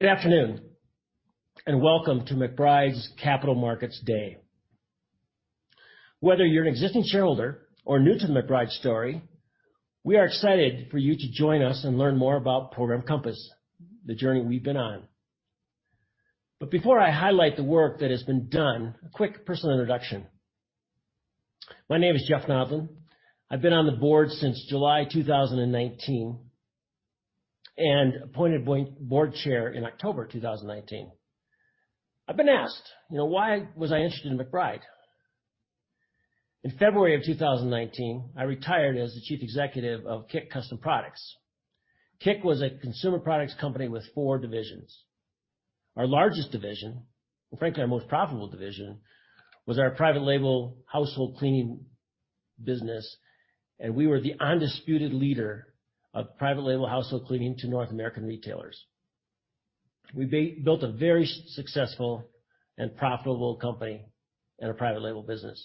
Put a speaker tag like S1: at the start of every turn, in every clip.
S1: Good afternoon, and welcome to McBride's Capital Markets Day. Whether you're an existing shareholder or new to the McBride story, we are excited for you to join us and learn more about Program Compass, the journey we've been on. Before I highlight the work that has been done, a quick personal introduction. My name is Jeff Nodland. I've been on the board since July 2019, and appointed Board Chair in October 2019. I've been asked, why was I interested in McBride? In February of 2019, I retired as the Chief Executive of KIK Custom Products. KIK was a consumer products company with four divisions. Our largest division, and frankly our most profitable division, was our private label household cleaning business, and we were the undisputed leader of private label household cleaning to North American retailers. We built a very successful and profitable company in a private label business.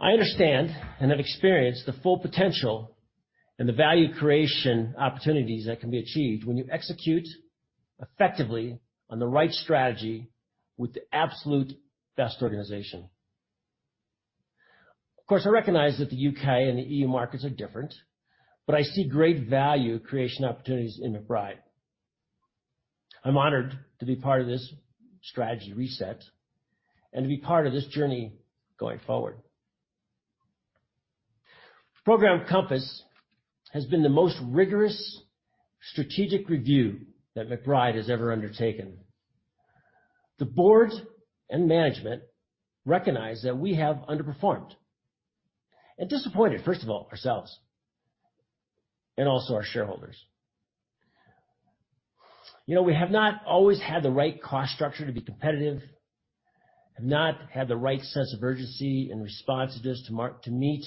S1: I understand and have experienced the full potential and the value creation opportunities that can be achieved when you execute effectively on the right strategy with the absolute best organization. Of course, I recognize that the U.K. and the EU markets are different, but I see great value creation opportunities in McBride. I'm honored to be part of this strategy reset and to be part of this journey going forward. Program Compass has been the most rigorous strategic review that McBride has ever undertaken. The board and management recognize that we have underperformed and disappointed, first of all, ourselves, and also our shareholders. We have not always had the right cost structure to be competitive, have not had the right sense of urgency and responsiveness to meet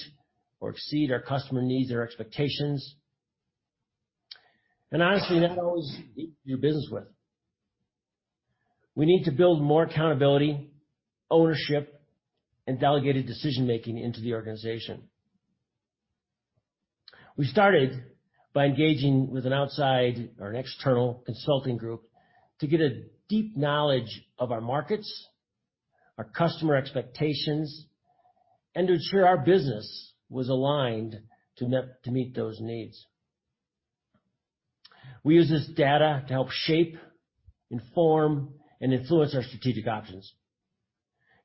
S1: or exceed our customer needs or expectations. We need to build more accountability, ownership, and delegated decision-making into the organization. We started by engaging with an external consulting group to get a deep knowledge of our markets, our customer expectations, and to ensure our business was aligned to meet those needs. We use this data to help shape, inform, and influence our strategic options.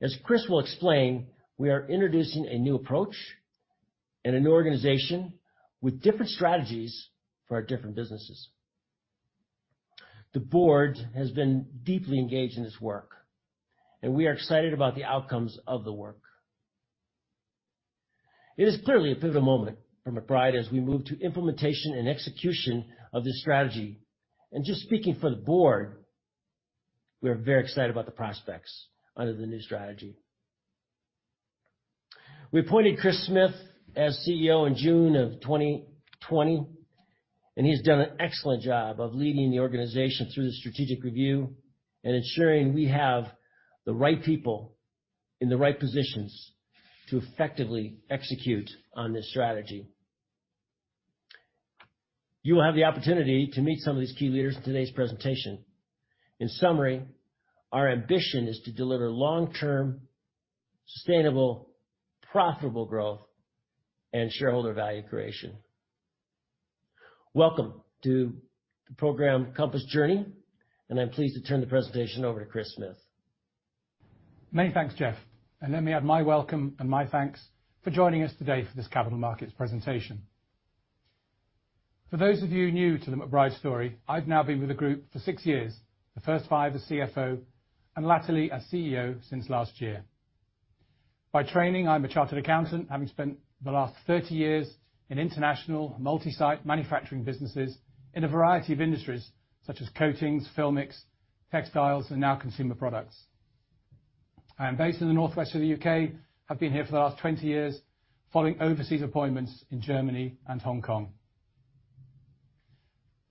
S1: As Chris will explain, we are introducing a new approach and a new organization with different strategies for our different businesses. The board has been deeply engaged in this work, and we are excited about the outcomes of the work. It is clearly a pivotal moment for McBride as we move to implementation and execution of this strategy. Just speaking for the board, we are very excited about the prospects under the new strategy. We appointed Chris Smith as CEO in June of 2020, and he's done an excellent job of leading the organization through the strategic review and ensuring we have the right people in the right positions to effectively execute on this strategy. You will have the opportunity to meet some of these key leaders in today's presentation. In summary, our ambition is to deliver long-term, sustainable, profitable growth and shareholder value creation. Welcome to the Program Compass journey, and I'm pleased to turn the presentation over to Chris Smith.
S2: Many thanks, Jeff, and let me add my welcome and my thanks for joining us today for this capital markets presentation. For those of you new to the McBride story, I've now been with the group for six years, the first five as CFO, and latterly as CEO since last year. By training, I'm a chartered accountant, having spent the last 30 years in international multi-site manufacturing businesses in a variety of industries such as coatings, filmics, textiles, and now consumer products. I am based in the north west of the U.K., have been here for the last 20 years following overseas appointments in Germany and Hong Kong.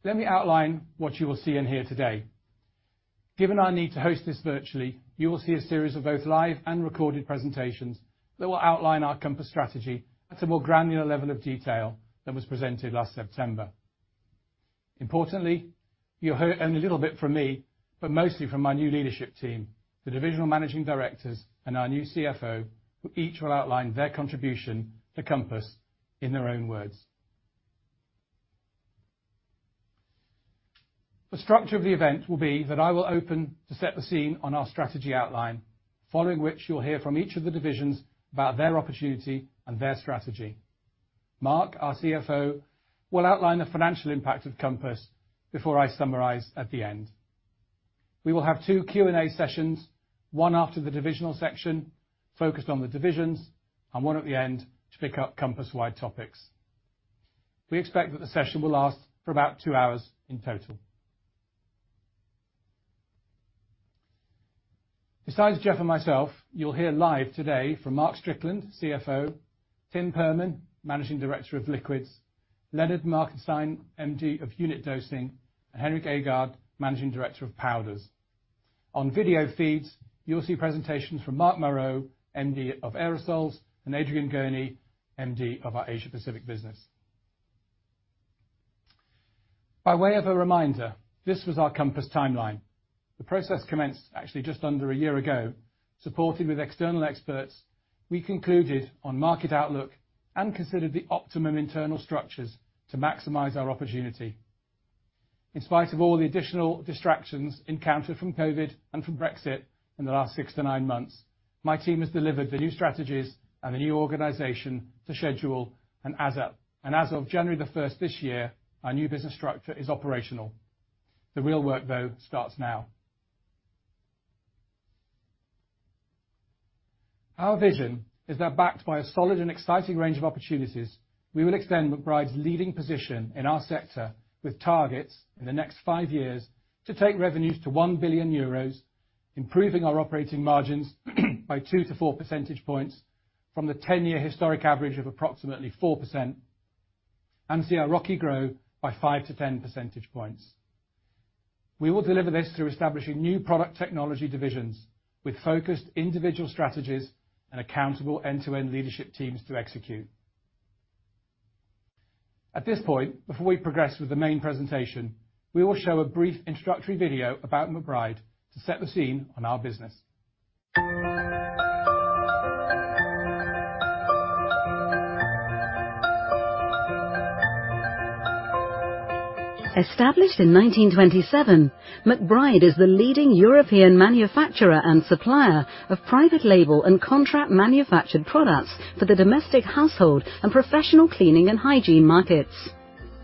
S2: Let me outline what you will see and hear today. Given our need to host this virtually, you will see a series of both live and recorded presentations that will outline our Compass strategy at a more granular level of detail than was presented last September. Importantly, you'll hear only a little bit from me, but mostly from my new leadership team, the divisional managing directors and our new CFO, who each will outline their contribution to Compass in their own words. The structure of the event will be that I will open to set the scene on our strategy outline, following which you'll hear from each of the divisions about their opportunity and their strategy. Mark, our CFO, will outline the financial impact of Compass before I summarize at the end. We will have two Q&A sessions, one after the divisional section focused on the divisions, and one at the end to pick up Compass-wide topics. We expect that the session will last for about two hours in total. Besides Jeff and myself, you'll hear live today from Mark Strickland, CFO, Tim Perman, Managing Director of Liquids, Lennard Markestein, MD of Unit Dosing, and Henrik Aagaard, Managing Director of Powders. On video feeds, you'll see presentations from Marc Marot, MD of Aerosols, and Adrian Gurney, MD of our Asia Pacific business. By way of a reminder, this was our Compass timeline. The process commenced actually just under a year ago. Supported with external experts, we concluded on market outlook and considered the optimum internal structures to maximize our opportunity. In spite of all the additional distractions encountered from COVID and from Brexit in the last six to nine months, my team has delivered the new strategies and the new organization to schedule and as of January 1st this year, our new business structure is operational. The real work, though, starts now. Our vision is now backed by a solid and exciting range of opportunities. We will extend McBride's leading position in our sector with targets in the next five years to take revenues to €1 billion, improving our operating margins by 2-4 percentage points from the 10-year historic average of approximately 4%, and see our ROCE grow by 5-10 percentage points. We will deliver this through establishing new product technology divisions with focused individual strategies and accountable end-to-end leadership teams to execute. At this point, before we progress with the main presentation, we will show a brief introductory video about McBride to set the scene on our business.
S3: Established in 1927, McBride is the leading European manufacturer and supplier of private label and contract manufactured products for the domestic, household, and professional cleaning and hygiene markets.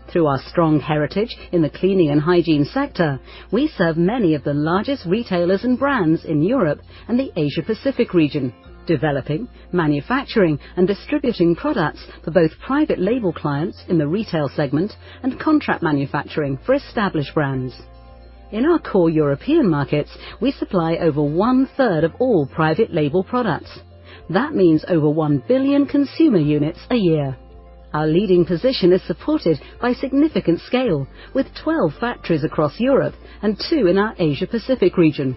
S3: Through our strong heritage in the cleaning and hygiene sector, we serve many of the largest retailers and brands in Europe and the Asia-Pacific region, developing, manufacturing, and distributing products for both private label clients in the retail segment and contract manufacturing for established brands. In our core European markets, we supply over one-third of all private label products. That means over one billion consumer units a year. Our leading position is supported by significant scale, with 12 factories across Europe and two in our Asia-Pacific region,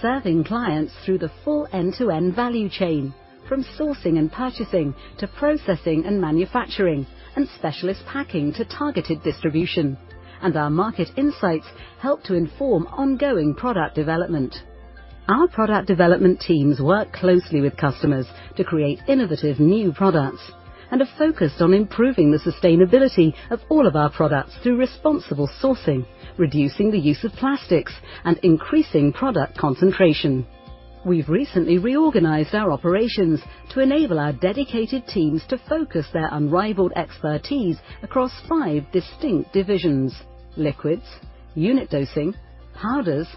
S3: serving clients through the full end-to-end value chain, from sourcing and purchasing, to processing and manufacturing, and specialist packing to targeted distribution. Our market insights help to inform ongoing product development. Our product development teams work closely with customers to create innovative new products and are focused on improving the sustainability of all of our products through responsible sourcing, reducing the use of plastics, and increasing product concentration. We've recently reorganized our operations to enable our dedicated teams to focus their unrivaled expertise across five distinct divisions: Liquids, Unit Dosing, Powders,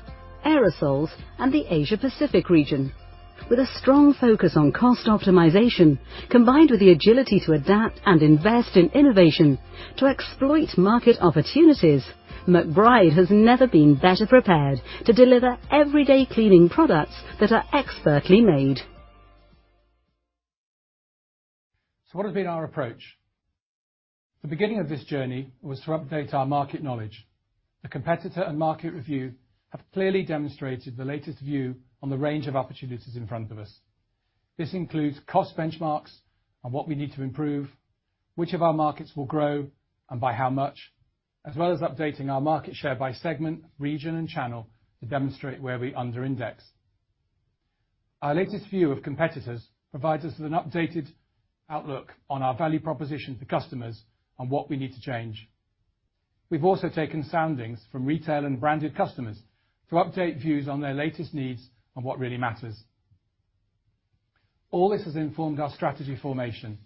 S3: Aerosols, and the Asia-Pacific region. With a strong focus on cost optimization, combined with the agility to adapt and invest in innovation to exploit market opportunities, McBride has never been better prepared to deliver everyday cleaning products that are expertly made.
S2: What has been our approach? The beginning of this journey was to update our market knowledge. The competitor and market review have clearly demonstrated the latest view on the range of opportunities in front of us. This includes cost benchmarks on what we need to improve, which of our markets will grow and by how much, as well as updating our market share by segment, region, and channel to demonstrate where we under-index. Our latest view of competitors provides us with an updated outlook on our value proposition to customers on what we need to change. We've also taken soundings from retail and branded customers to update views on their latest needs and what really matters. All this has informed our strategy formation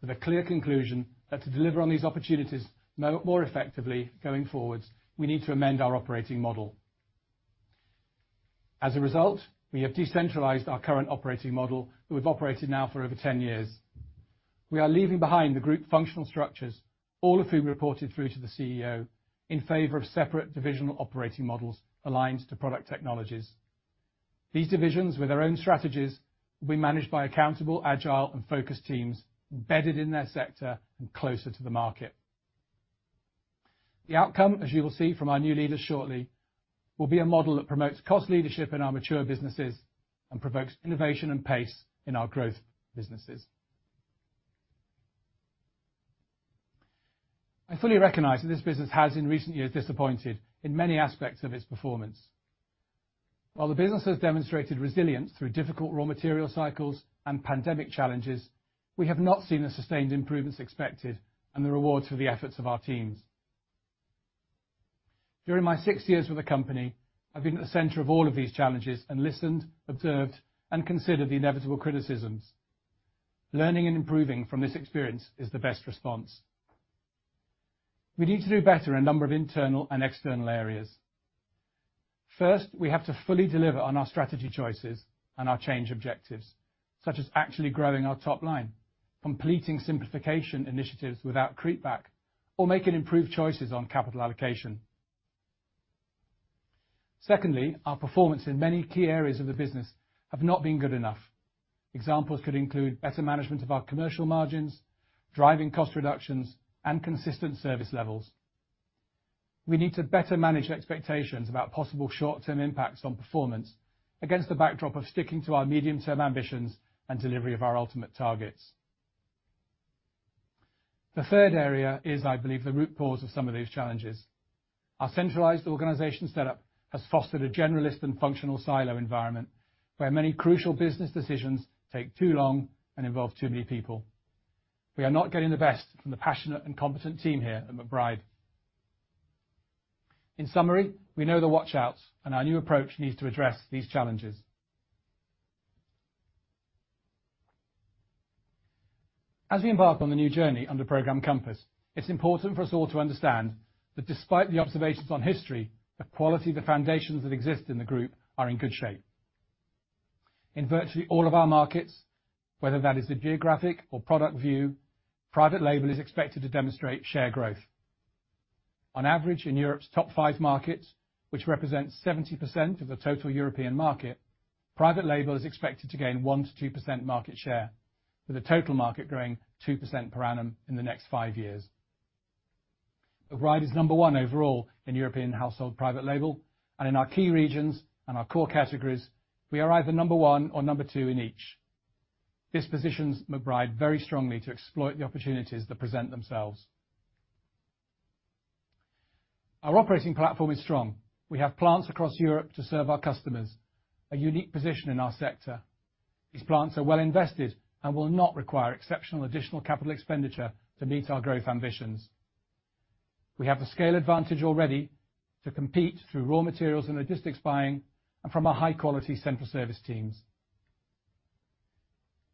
S2: with a clear conclusion that to deliver on these opportunities more effectively going forwards, we need to amend our operating model. We have decentralized our current operating model that we've operated now for over 10 years. We are leaving behind the group functional structures, all of whom reported through to the CEO, in favor of separate divisional operating models aligned to product technologies. These divisions, with their own strategies, will be managed by accountable, agile, and focused teams embedded in their sector and closer to the market. The outcome, as you will see from our new leaders shortly, will be a model that promotes cost leadership in our mature businesses and promotes innovation and pace in our growth businesses. I fully recognize that this business has in recent years disappointed in many aspects of its performance. While the business has demonstrated resilience through difficult raw material cycles and pandemic challenges, we have not seen the sustained improvements expected and the rewards for the efforts of our teams. During my six years with the company, I've been at the center of all of these challenges and listened, observed, and considered the inevitable criticisms. Learning and improving from this experience is the best response. We need to do better in a number of internal and external areas. First, we have to fully deliver on our strategy choices and our change objectives, such as actually growing our top line, completing simplification initiatives without creep back, or making improved choices on capital allocation. Secondly, our performance in many key areas of the business have not been good enough. Examples could include better management of our commercial margins, driving cost reductions, and consistent service levels. We need to better manage expectations about possible short-term impacts on performance against the backdrop of sticking to our medium-term ambitions and delivery of our ultimate targets. The third area is, I believe, the root cause of some of these challenges. Our centralized organizational setup has fostered a generalist and functional silo environment where many crucial business decisions take too long and involve too many people. We are not getting the best from the passionate and competent team here at McBride. In summary, we know the watch outs, and our new approach needs to address these challenges. As we embark on the new journey under Program Compass, it's important for us all to understand that despite the observations on history, the quality of the foundations that exist in the group are in good shape. In virtually all of our markets, whether that is the geographic or product view, private label is expected to demonstrate share growth. On average, in Europe's top five markets, which represents 70% of the total European market, private label is expected to gain 1%-2% market share, with the total market growing 2% per annum in the next five years. McBride is number one overall in European household private label, and in our key regions and our core categories, we are either number one or number two in each. This positions McBride very strongly to exploit the opportunities that present themselves. Our operating platform is strong. We have plants across Europe to serve our customers, a unique position in our sector. These plants are well invested and will not require exceptional additional capital expenditure to meet our growth ambitions. We have the scale advantage already to compete through raw materials and logistics buying and from our high-quality central service teams.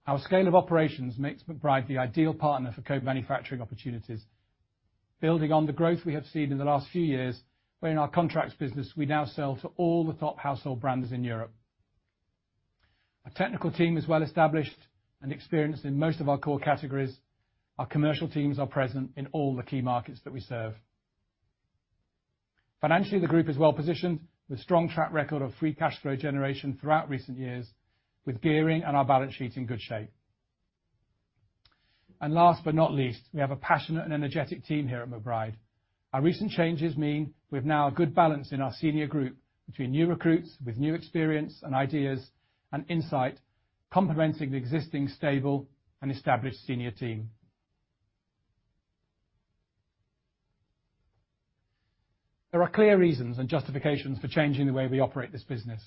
S2: Our scale of operations makes McBride the ideal partner for co-manufacturing opportunities. Building on the growth we have seen in the last few years, where in our contracts business we now sell to all the top household brands in Europe. Our technical team is well established and experienced in most of our core categories. Our commercial teams are present in all the key markets that we serve. Financially, the group is well positioned, with a strong track record of free cash flow generation throughout recent years, with gearing and our balance sheet in good shape. Last but not least, we have a passionate and energetic team here at McBride. Our recent changes mean we've now a good balance in our senior group between new recruits with new experience and ideas and insight, complementing the existing stable and established senior team. There are clear reasons and justifications for changing the way we operate this business.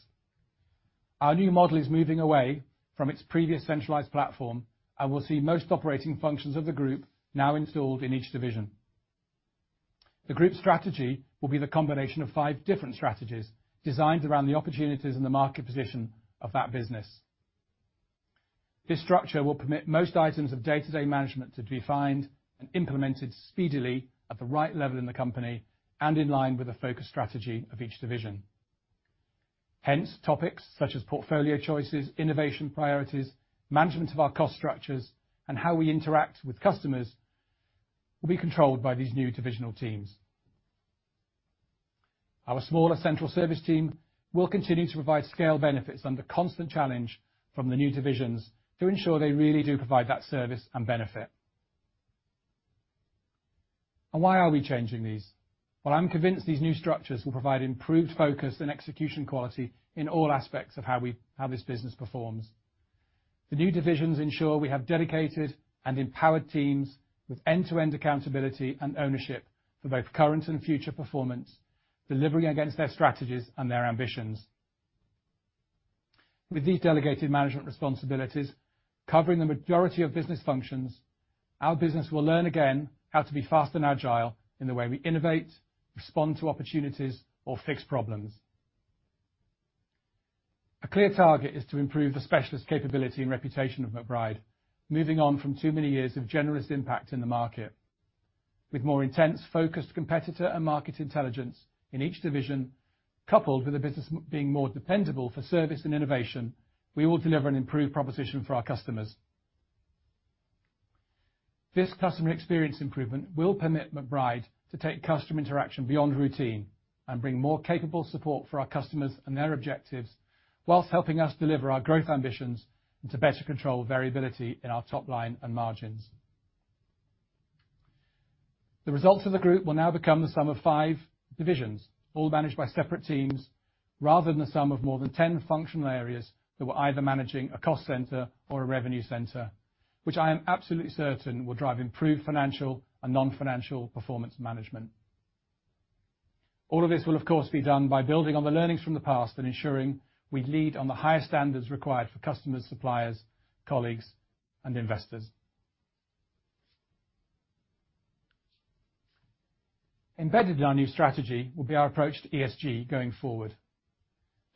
S2: Our new model is moving away from its previous centralized platform and will see most operating functions of the group now installed in each division. The group strategy will be the combination of five different strategies designed around the opportunities and the market position of that business. This structure will permit most items of day-to-day management to be defined and implemented speedily at the right level in the company and in line with the focus strategy of each division. Hence, topics such as portfolio choices, innovation priorities, management of our cost structures, and how we interact with customers will be controlled by these new divisional teams. Our smaller central service team will continue to provide scale benefits under constant challenge from the new divisions to ensure they really do provide that service and benefit. Why are we changing these? Well, I'm convinced these new structures will provide improved focus and execution quality in all aspects of how this business performs. The new divisions ensure we have dedicated and empowered teams with end-to-end accountability and ownership for both current and future performance, delivering against their strategies and their ambitions. With these delegated management responsibilities covering the majority of business functions, our business will learn again how to be fast and agile in the way we innovate, respond to opportunities, or fix problems. A clear target is to improve the specialist capability and reputation of McBride, moving on from too many years of generalist impact in the market. With more intense, focused competitor and market intelligence in each division, coupled with the business being more dependable for service and innovation, we will deliver an improved proposition for our customers. This customer experience improvement will permit McBride to take customer interaction beyond routine and bring more capable support for our customers and their objectives, whilst helping us deliver our growth ambitions and to better control variability in our top line and margins. The results of the group will now become the sum of five divisions, all managed by separate teams, rather than the sum of more than 10 functional areas that were either managing a cost center or a revenue center, which I am absolutely certain will drive improved financial and non-financial performance management. All of this will, of course, be done by building on the learnings from the past and ensuring we lead on the highest standards required for customers, suppliers, colleagues, and investors. Embedded in our new strategy will be our approach to ESG going forward.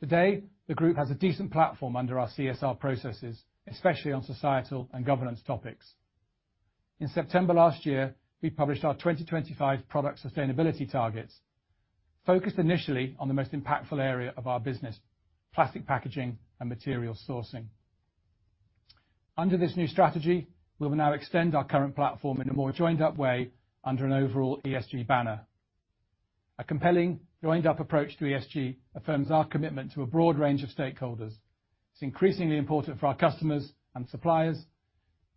S2: Today, the group has a decent platform under our CSR processes, especially on societal and governance topics. In September last year, we published our 2025 product sustainability targets, focused initially on the most impactful area of our business, plastic packaging and material sourcing. Under this new strategy, we will now extend our current platform in a more joined-up way under an overall ESG banner. A compelling joined-up approach to ESG affirms our commitment to a broad range of stakeholders. It's increasingly important for our customers and suppliers,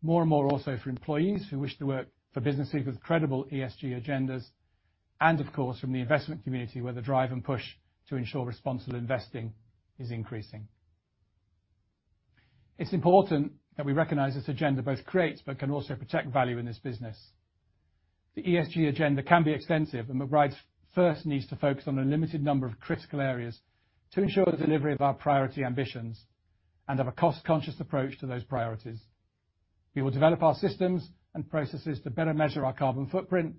S2: more and more also for employees who wish to work for businesses with credible ESG agendas, and of course, from the investment community, where the drive and push to ensure responsible investing is increasing. It's important that we recognize this agenda both creates but can also protect value in this business. The ESG agenda can be extensive, and McBride first needs to focus on a limited number of critical areas to ensure the delivery of our priority ambitions and have a cost-conscious approach to those priorities. We will develop our systems and processes to better measure our carbon footprint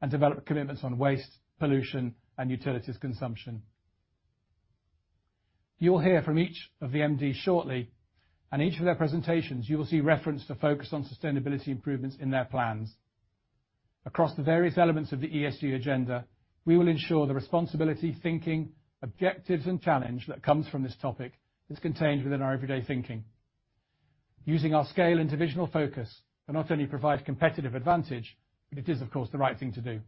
S2: and develop commitments on waste, pollution, and utilities consumption. You will hear from each of the MDs shortly, and each of their presentations, you will see reference to focus on sustainability improvements in their plans. Across the various elements of the ESG agenda, we will ensure the responsibility thinking, objectives, and challenge that comes from this topic is contained within our everyday thinking. Using our scale and divisional focus will not only provide competitive advantage, but it is of course the right thing to do.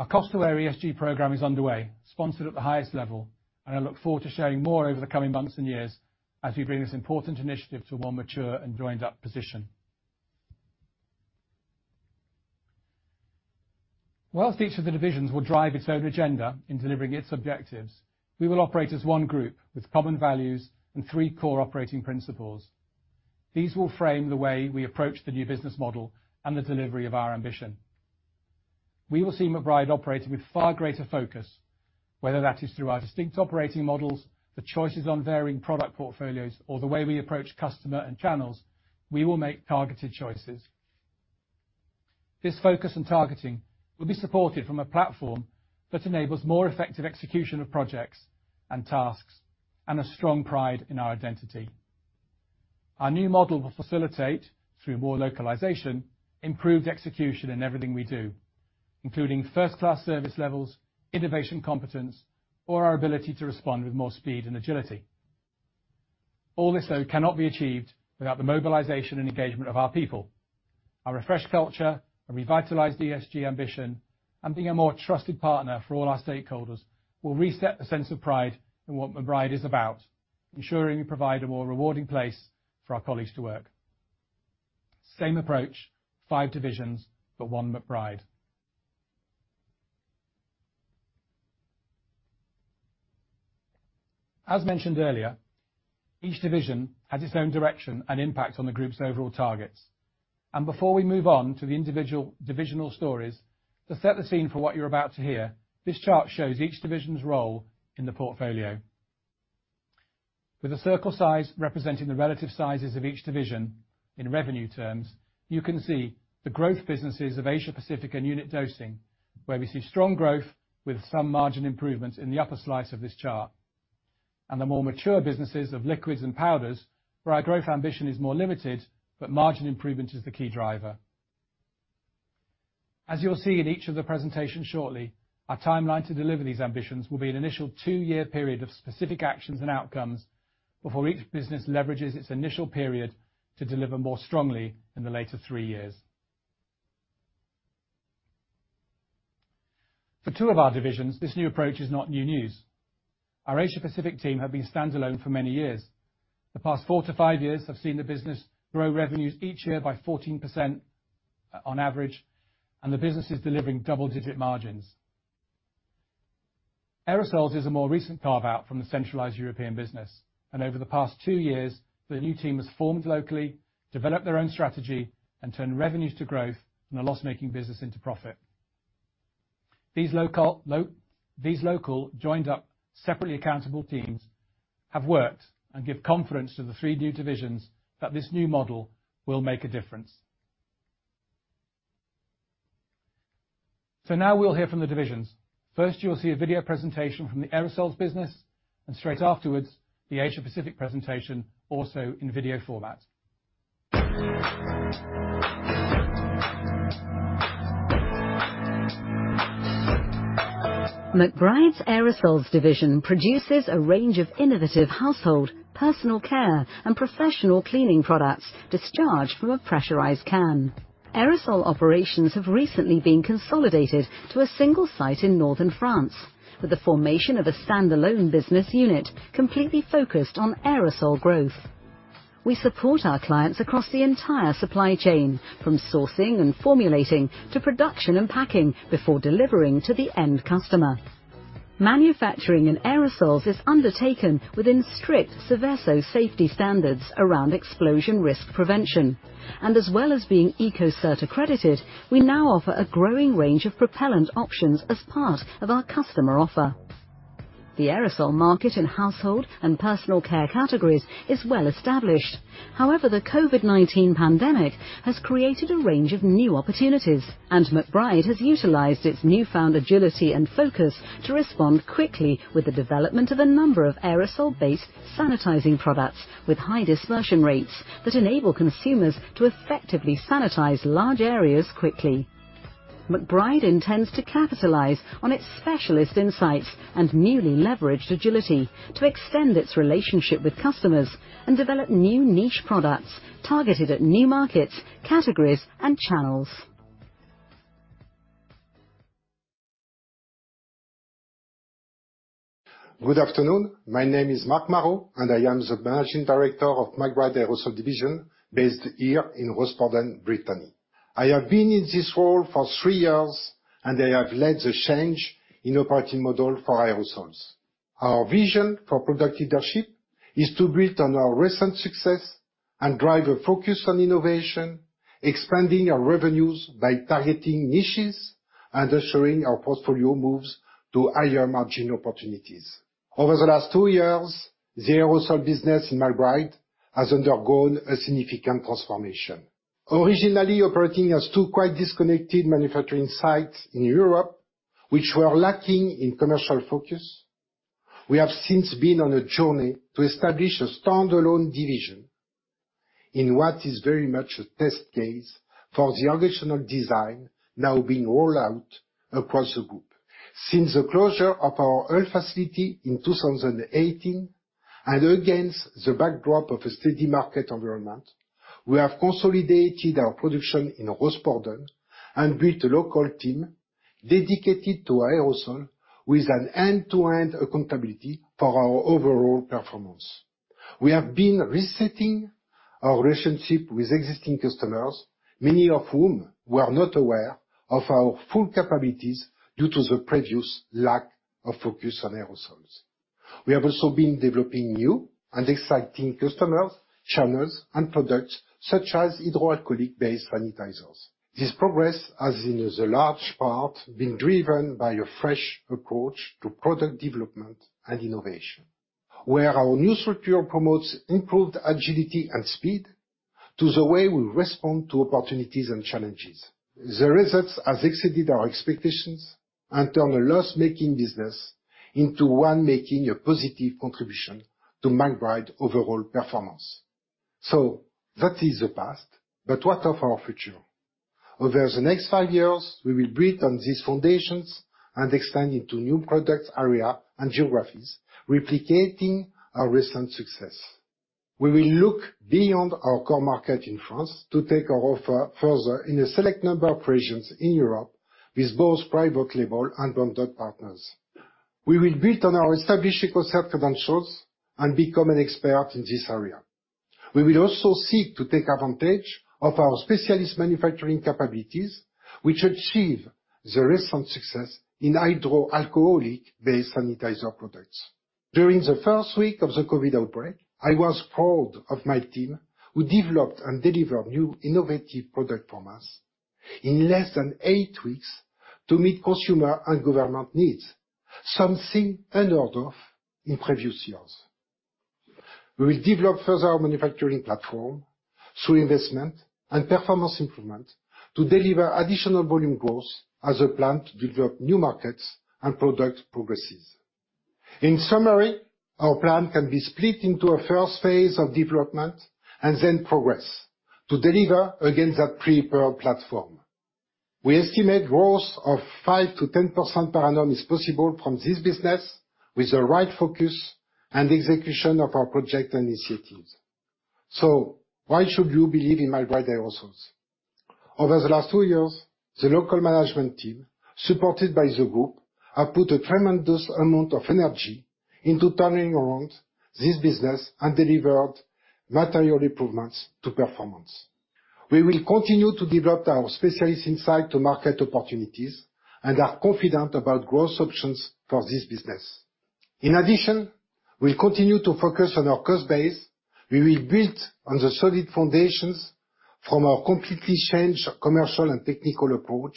S2: Our cost-aware ESG program is underway, sponsored at the highest level, and I look forward to sharing more over the coming months and years as we bring this important initiative to a more mature and joined-up position. Whilst each of the divisions will drive its own agenda in delivering its objectives, we will operate as one group with common values and three core operating principles. These will frame the way we approach the new business model and the delivery of our ambition. We will see McBride operating with far greater focus, whether that is through our distinct operating models, the choices on varying product portfolios, or the way we approach customer and channels, we will make targeted choices. This focus on targeting will be supported from a platform that enables more effective execution of projects and tasks and a strong pride in our identity. Our new model will facilitate, through more localization, improved execution in everything we do, including first-class service levels, innovation competence, or our ability to respond with more speed and agility. All this, though, cannot be achieved without the mobilization and engagement of our people. Our refreshed culture, a revitalized ESG ambition, and being a more trusted partner for all our stakeholders will reset the sense of pride in what McBride is about, ensuring we provide a more rewarding place for our colleagues to work. Same approach, five divisions, One McBride. As mentioned earlier, each division has its own direction and impact on the group's overall targets. Before we move on to the individual divisional stories, to set the scene for what you're about to hear, this chart shows each division's role in the portfolio. With the circle size representing the relative sizes of each division in revenue terms, you can see the growth businesses of Asia-Pacific and Unit Dosing, where we see strong growth with some margin improvements in the upper slice of this chart. The more mature businesses of Liquids and Powders, where our growth ambition is more limited, but margin improvement is the key driver. As you'll see in each of the presentations shortly, our timeline to deliver these ambitions will be an initial two-year period of specific actions and outcomes before each business leverages its initial period to deliver more strongly in the later three years. For two of our divisions, this new approach is not new news. Our Asia-Pacific team have been standalone for many years. The past four to five years have seen the business grow revenues each year by 14% on average, and the business is delivering double-digit margins. Aerosols is a more recent carve-out from the centralized European business, and over the past two years, the new team has formed locally, developed their own strategy, and turned revenues to growth from a loss-making business into profit. These local joined-up, separately accountable teams have worked and give confidence to the three new divisions that this new model will make a difference. Now we'll hear from the divisions. First, you will see a video presentation from the Aerosols business, and straight afterwards, the Asia-Pacific presentation also in video format.
S3: McBride's Aerosols division produces a range of innovative household, personal care, and professional cleaning products discharged from a pressurized can. Aerosol operations have recently been consolidated to a single site in northern France, with the formation of a standalone business unit completely focused on aerosol growth. We support our clients across the entire supply chain, from sourcing and formulating to production and packing before delivering to the end customer. Manufacturing in Aerosols is undertaken within strict Seveso safety standards around explosion risk prevention. As well as being Ecocert accredited, we now offer a growing range of propellant options as part of our customer offer. The aerosol market in household and personal care categories is well established. However, the COVID-19 pandemic has created a range of new opportunities, and McBride has utilized its newfound agility and focus to respond quickly with the development of a number of aerosol-based sanitizing products with high dispersion rates that enable consumers to effectively sanitize large areas quickly. McBride intends to capitalize on its specialist insights and newly leveraged agility to extend its relationship with customers and develop new niche products targeted at new markets, categories, and channels.
S4: Good afternoon. My name is Marc Marot, and I am the Managing Director of McBride Aerosols division, based here in Rosporden, Brittany. I have been in this role for three years, and I have led the change in operating model for aerosols. Our vision for product leadership is to build on our recent success and drive a focus on innovation, expanding our revenues by targeting niches and assuring our portfolio moves to higher margin opportunities. Over the last two years, the aerosol business in McBride has undergone a significant transformation. Originally operating as two quite disconnected manufacturing sites in Europe, which were lacking in commercial focus, we have since been on a journey to establish a standalone division in what is very much a test case for the organizational design now being rolled out across the group. Since the closure of our old facility in 2018, and against the backdrop of a steady market environment, we have consolidated our production in Rosporden and built a local team dedicated to aerosol with an end-to-end accountability for our overall performance. We have been resetting our relationship with existing customers, many of whom were not aware of our full capabilities due to the previous lack of focus on aerosols. We have also been developing new and exciting customers, channels, and products such as hydroalcoholic-based sanitizers. This progress has, in the large part, been driven by a fresh approach to product development and innovation, where our new structure promotes improved agility and speed to the way we respond to opportunities and challenges. The results has exceeded our expectations and turn a loss-making business into one making a positive contribution to McBride overall performance. That is the past, but what of our future? Over the next five years, we will build on these foundations and expand into new product area and geographies, replicating our recent success. We will look beyond our core market in France to take our offer further in a select number of regions in Europe with both private label and branded partners. We will build on our established Ecocert credentials and become an expert in this area. We will also seek to take advantage of our specialist manufacturing capabilities, which achieve the recent success in hydroalcoholic-based sanitizer products. During the first week of the COVID outbreak, I was proud of my team who developed and delivered new innovative product formats in less than eight weeks to meet consumer and government needs, something unheard of in previous years. We will develop further our manufacturing platform through investment and performance improvement to deliver additional volume growth as a plan to develop new markets and product progresses. Our plan can be split into a phase I of development and then progress to deliver against that prepared platform. We estimate growth of 5%-10% per annum is possible from this business with the right focus and execution of our project initiatives. Why should you believe in McBride Aerosols? Over the last two years, the local management team, supported by the group, have put a tremendous amount of energy into turning around this business and delivered material improvements to performance. We will continue to develop our specialist insight to market opportunities and are confident about growth options for this business. In addition, we'll continue to focus on our cost base. We will build on the solid foundations from our completely changed commercial and technical approach,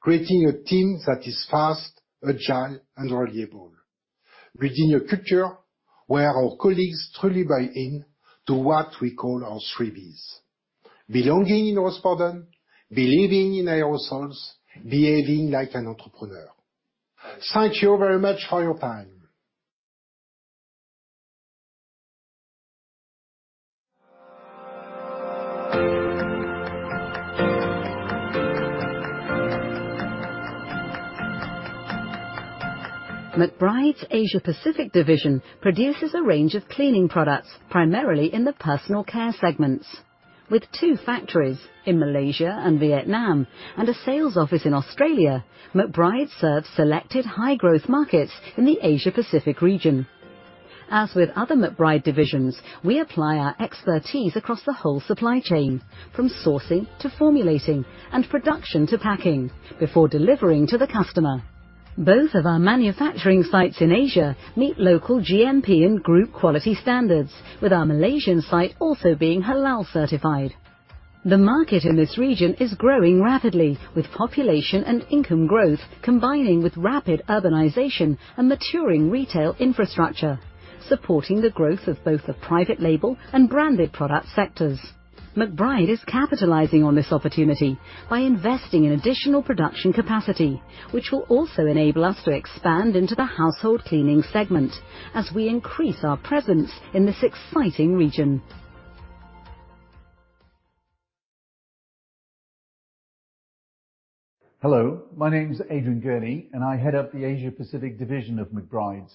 S4: creating a team that is fast, agile, and reliable within a culture where our colleagues truly buy in to what we call our three Bs: belonging in Rosporden, believing in aerosols, behaving like an entrepreneur. Thank you very much for your time.
S3: McBride's Asia Pacific division produces a range of cleaning products, primarily in the personal care segments. With two factories in Malaysia and Vietnam and a sales office in Australia, McBride serves selected high-growth markets in the Asia-Pacific region. As with other McBride divisions, we apply our expertise across the whole supply chain, from sourcing to formulating and production to packing, before delivering to the customer. Both of our manufacturing sites in Asia meet local GMP and group quality standards, with our Malaysian site also being halal certified. The market in this region is growing rapidly with population and income growth combining with rapid urbanization and maturing retail infrastructure, supporting the growth of both the private label and branded product sectors. McBride is capitalizing on this opportunity by investing in additional production capacity, which will also enable us to expand into the household cleaning segment as we increase our presence in this exciting region.
S5: Hello, my name is Adrian Gurney, and I head up the Asia-Pacific division of McBride's.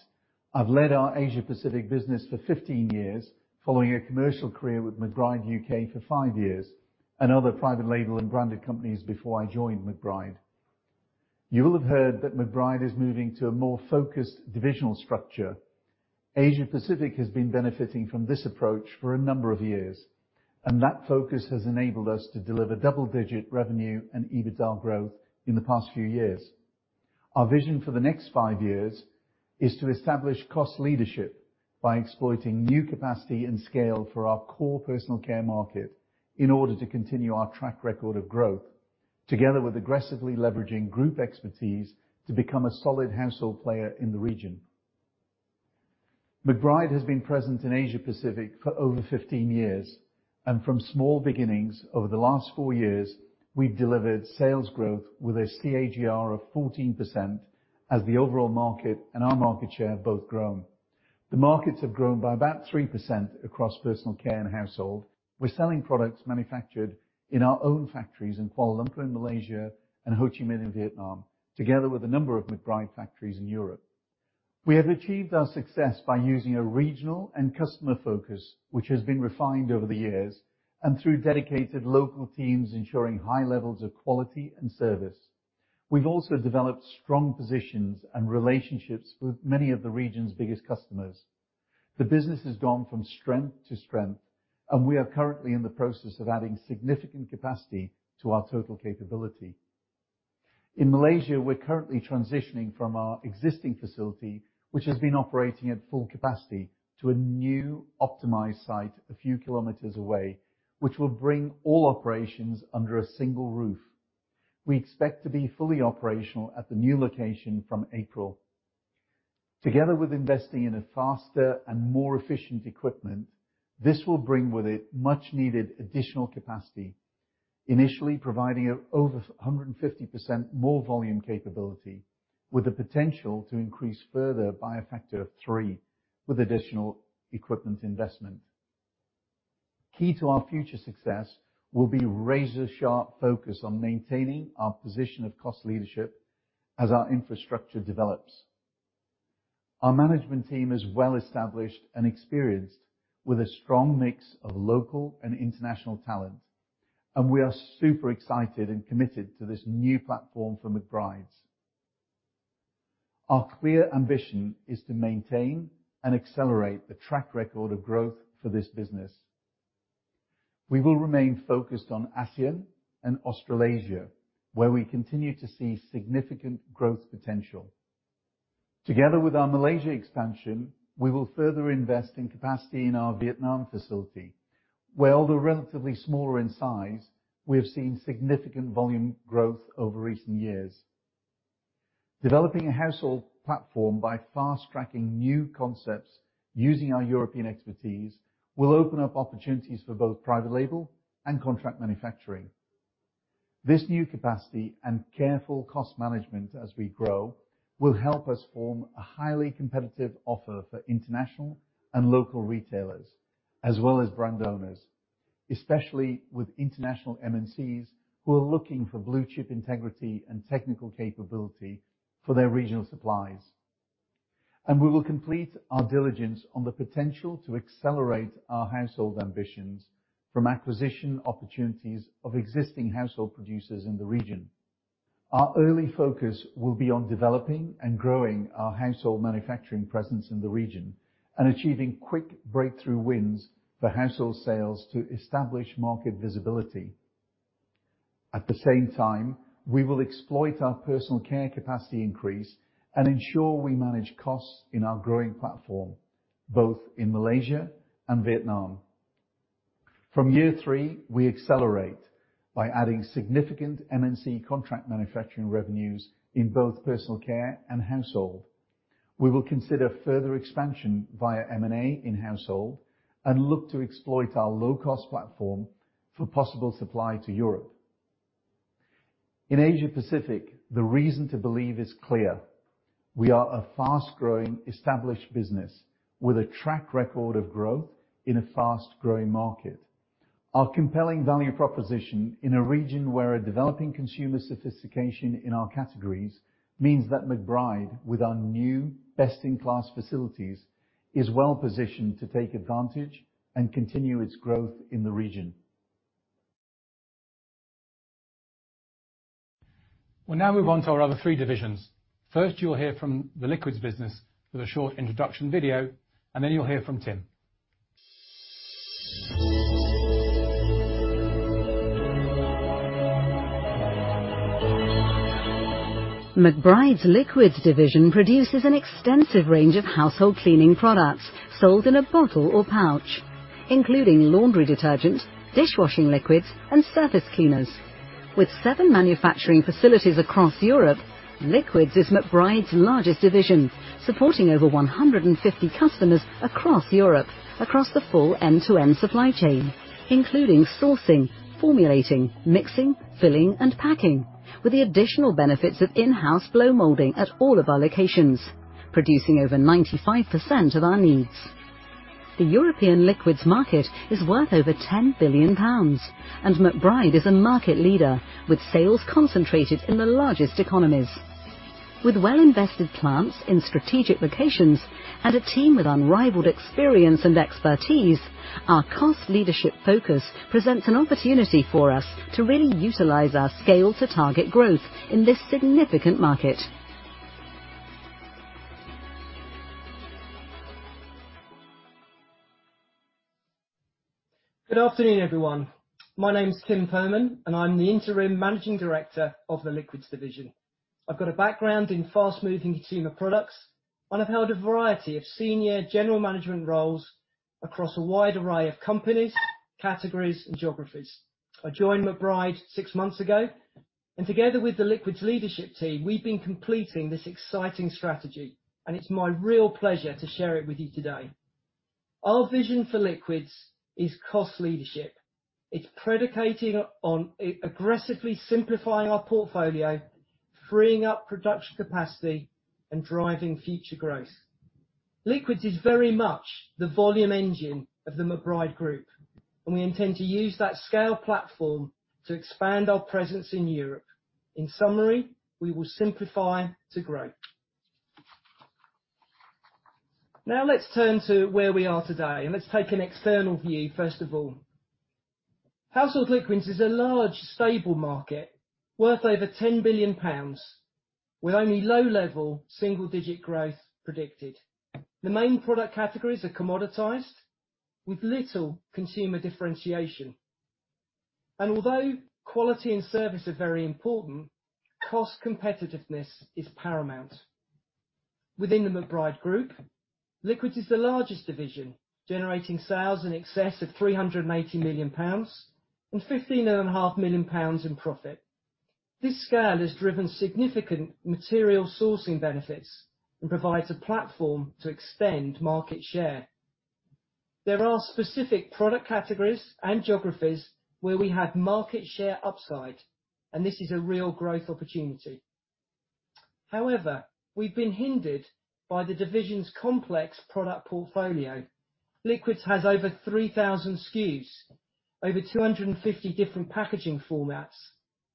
S5: I've led our Asia Pacific business for 15 years following a commercial career with McBride U.K. for five years. Other private label and branded companies before I joined McBride. You will have heard that McBride is moving to a more focused divisional structure. Asia-Pacific has been benefiting from this approach for a number of years. That focus has enabled us to deliver double-digit revenue and EBITDA growth in the past few years. Our vision for the next five years is to establish cost leadership by exploiting new capacity and scale for our core personal care market in order to continue our track record of growth, together with aggressively leveraging group expertise to become a solid household player in the region. McBride has been present in Asia-Pacific for over 15 years, and from small beginnings over the last four years, we've delivered sales growth with a CAGR of 14% as the overall market and our market share have both grown. The markets have grown by about 3% across personal care and household. We're selling products manufactured in our own factories in Kuala Lumpur in Malaysia and Ho Chi Minh City, together with a number of McBride factories in Europe. We have achieved our success by using a regional and customer focus, which has been refined over the years, and through dedicated local teams ensuring high levels of quality and service. We've also developed strong positions and relationships with many of the region's biggest customers. The business has gone from strength to strength, and we are currently in the process of adding significant capacity to our total capability. In Malaysia, we're currently transitioning from our existing facility, which has been operating at full capacity, to a new optimized site a few kilometers away, which will bring all operations under a single roof. We expect to be fully operational at the new location from April. Together with investing in a faster and more efficient equipment, this will bring with it much needed additional capacity, initially providing over 150% more volume capability, with the potential to increase further by a factor of three with additional equipment investment. Key to our future success will be razor-sharp focus on maintaining our position of cost leadership as our infrastructure develops. Our management team is well established and experienced, with a strong mix of local and international talent, and we are super excited and committed to this new platform for McBride's. Our clear ambition is to maintain and accelerate the track record of growth for this business. We will remain focused on ASEAN and Australasia, where we continue to see significant growth potential. Together with our Malaysia expansion, we will further invest in capacity in our Vietnam facility, where although relatively smaller in size, we have seen significant volume growth over recent years. Developing a household platform by fast-tracking new concepts using our European expertise will open up opportunities for both private label and contract manufacturing. This new capacity and careful cost management as we grow will help us form a highly competitive offer for international and local retailers, as well as brand owners, especially with international MNCs who are looking for blue chip integrity and technical capability for their regional supplies. We will complete our diligence on the potential to accelerate our household ambitions from acquisition opportunities of existing household producers in the region. Our early focus will be on developing and growing our household manufacturing presence in the region and achieving quick breakthrough wins for household sales to establish market visibility. At the same time, we will exploit our personal care capacity increase and ensure we manage costs in our growing platform, both in Malaysia and Vietnam. From year three, we accelerate by adding significant MNC contract manufacturing revenues in both personal care and household. We will consider further expansion via M&A in household and look to exploit our low-cost platform for possible supply to Europe. In Asia-Pacific, the reason to believe is clear. We are a fast-growing, established business with a track record of growth in a fast-growing market. Our compelling value proposition in a region where a developing consumer sophistication in our categories means that McBride, with our new best-in-class facilities, is well positioned to take advantage and continue its growth in the region.
S2: We'll now move on to our other three divisions. First, you'll hear from the Liquids business with a short introduction video. You'll hear from Tim.
S3: McBride's Liquids division produces an extensive range of household cleaning products sold in a bottle or pouch, including laundry detergent, dishwashing liquids, and surface cleaners. With seven manufacturing facilities across Europe, Liquids is McBride's largest division, supporting over 150 customers across Europe across the full end-to-end supply chain, including sourcing, formulating, mixing, filling, and packing, with the additional benefits of in-house blow molding at all of our locations, producing over 95% of our needs. The European liquids market is worth over 10 billion pounds, and McBride is a market leader with sales concentrated in the largest economies. With well-invested plants in strategic locations and a team with unrivaled experience and expertise, our cost leadership focus presents an opportunity for us to really utilize our scale to target growth in this significant market.
S6: Good afternoon, everyone. My name is Tim Perman, and I'm the Interim Managing Director of the Liquids Division. I've got a background in fast-moving consumer products, and I've held a variety of senior general management roles across a wide array of companies, categories, and geographies. I joined McBride six months ago, and together with the Liquids leadership team, we've been completing this exciting strategy, and it's my real pleasure to share it with you today. Our vision for Liquids is cost leadership. It's predicating on aggressively simplifying our portfolio, freeing up production capacity, and driving future growth. Liquids is very much the volume engine of the McBride Group, and we intend to use that scale platform to expand our presence in Europe. In summary, we will simplify to grow. Now, let's turn to where we are today, and let's take an external view, first of all. Household liquids is a large, stable market worth over 10 billion pounds with only low-level, single-digit growth predicted. The main product categories are commoditized with little consumer differentiation. Although quality and service are very important, cost competitiveness is paramount. Within the McBride group, Liquids is the largest division, generating sales in excess of 380 million pounds and 15.5 million pounds in profit. This scale has driven significant material sourcing benefits and provides a platform to extend market share. There are specific product categories and geographies where we have market share upside, and this is a real growth opportunity. However, we've been hindered by the division's complex product portfolio. Liquids has over 3,000 SKUs, over 250 different packaging formats,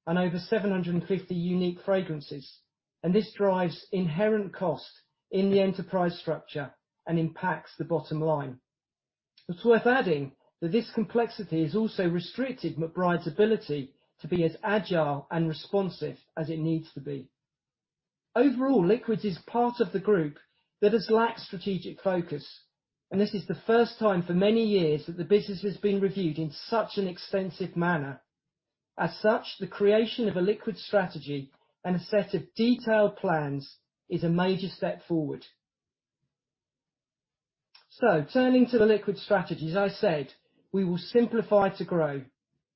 S6: and over 750 unique fragrances, and this drives inherent cost in the enterprise structure and impacts the bottom line. It's worth adding that this complexity has also restricted McBride's ability to be as agile and responsive as it needs to be. Overall, Liquids is part of the group that has lacked strategic focus, and this is the first time for many years that the business has been reviewed in such an extensive manner. The creation of a Liquids strategy and a set of detailed plans is a major step forward. Turning to the Liquids strategy, as I said, we will simplify to grow.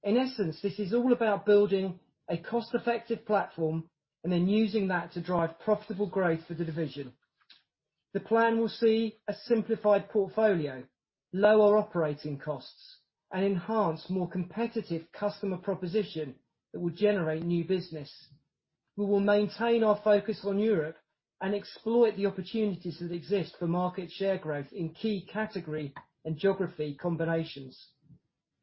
S6: In essence, this is all about building a cost-effective platform and then using that to drive profitable growth for the division. The plan will see a simplified portfolio, lower operating costs, and enhance more competitive customer proposition that will generate new business. We will maintain our focus on Europe and exploit the opportunities that exist for market share growth in key category and geography combinations.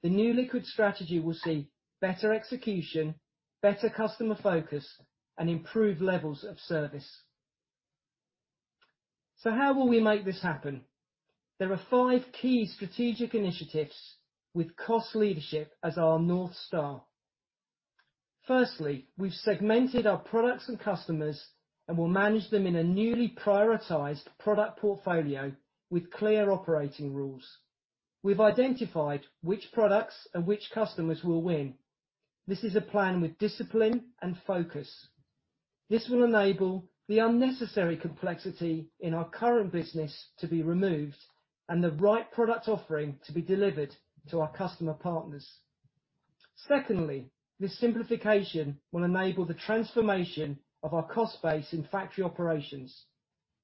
S6: The new Liquids strategy will see better execution, better customer focus, and improved levels of service. How will we make this happen? There are five key strategic initiatives with cost leadership as our North Star. Firstly, we've segmented our products and customers and will manage them in a newly prioritized product portfolio with clear operating rules. We've identified which products and which customers will win. This is a plan with discipline and focus. This will enable the unnecessary complexity in our current business to be removed and the right product offering to be delivered to our customer partners. Secondly, this simplification will enable the transformation of our cost base in factory operations.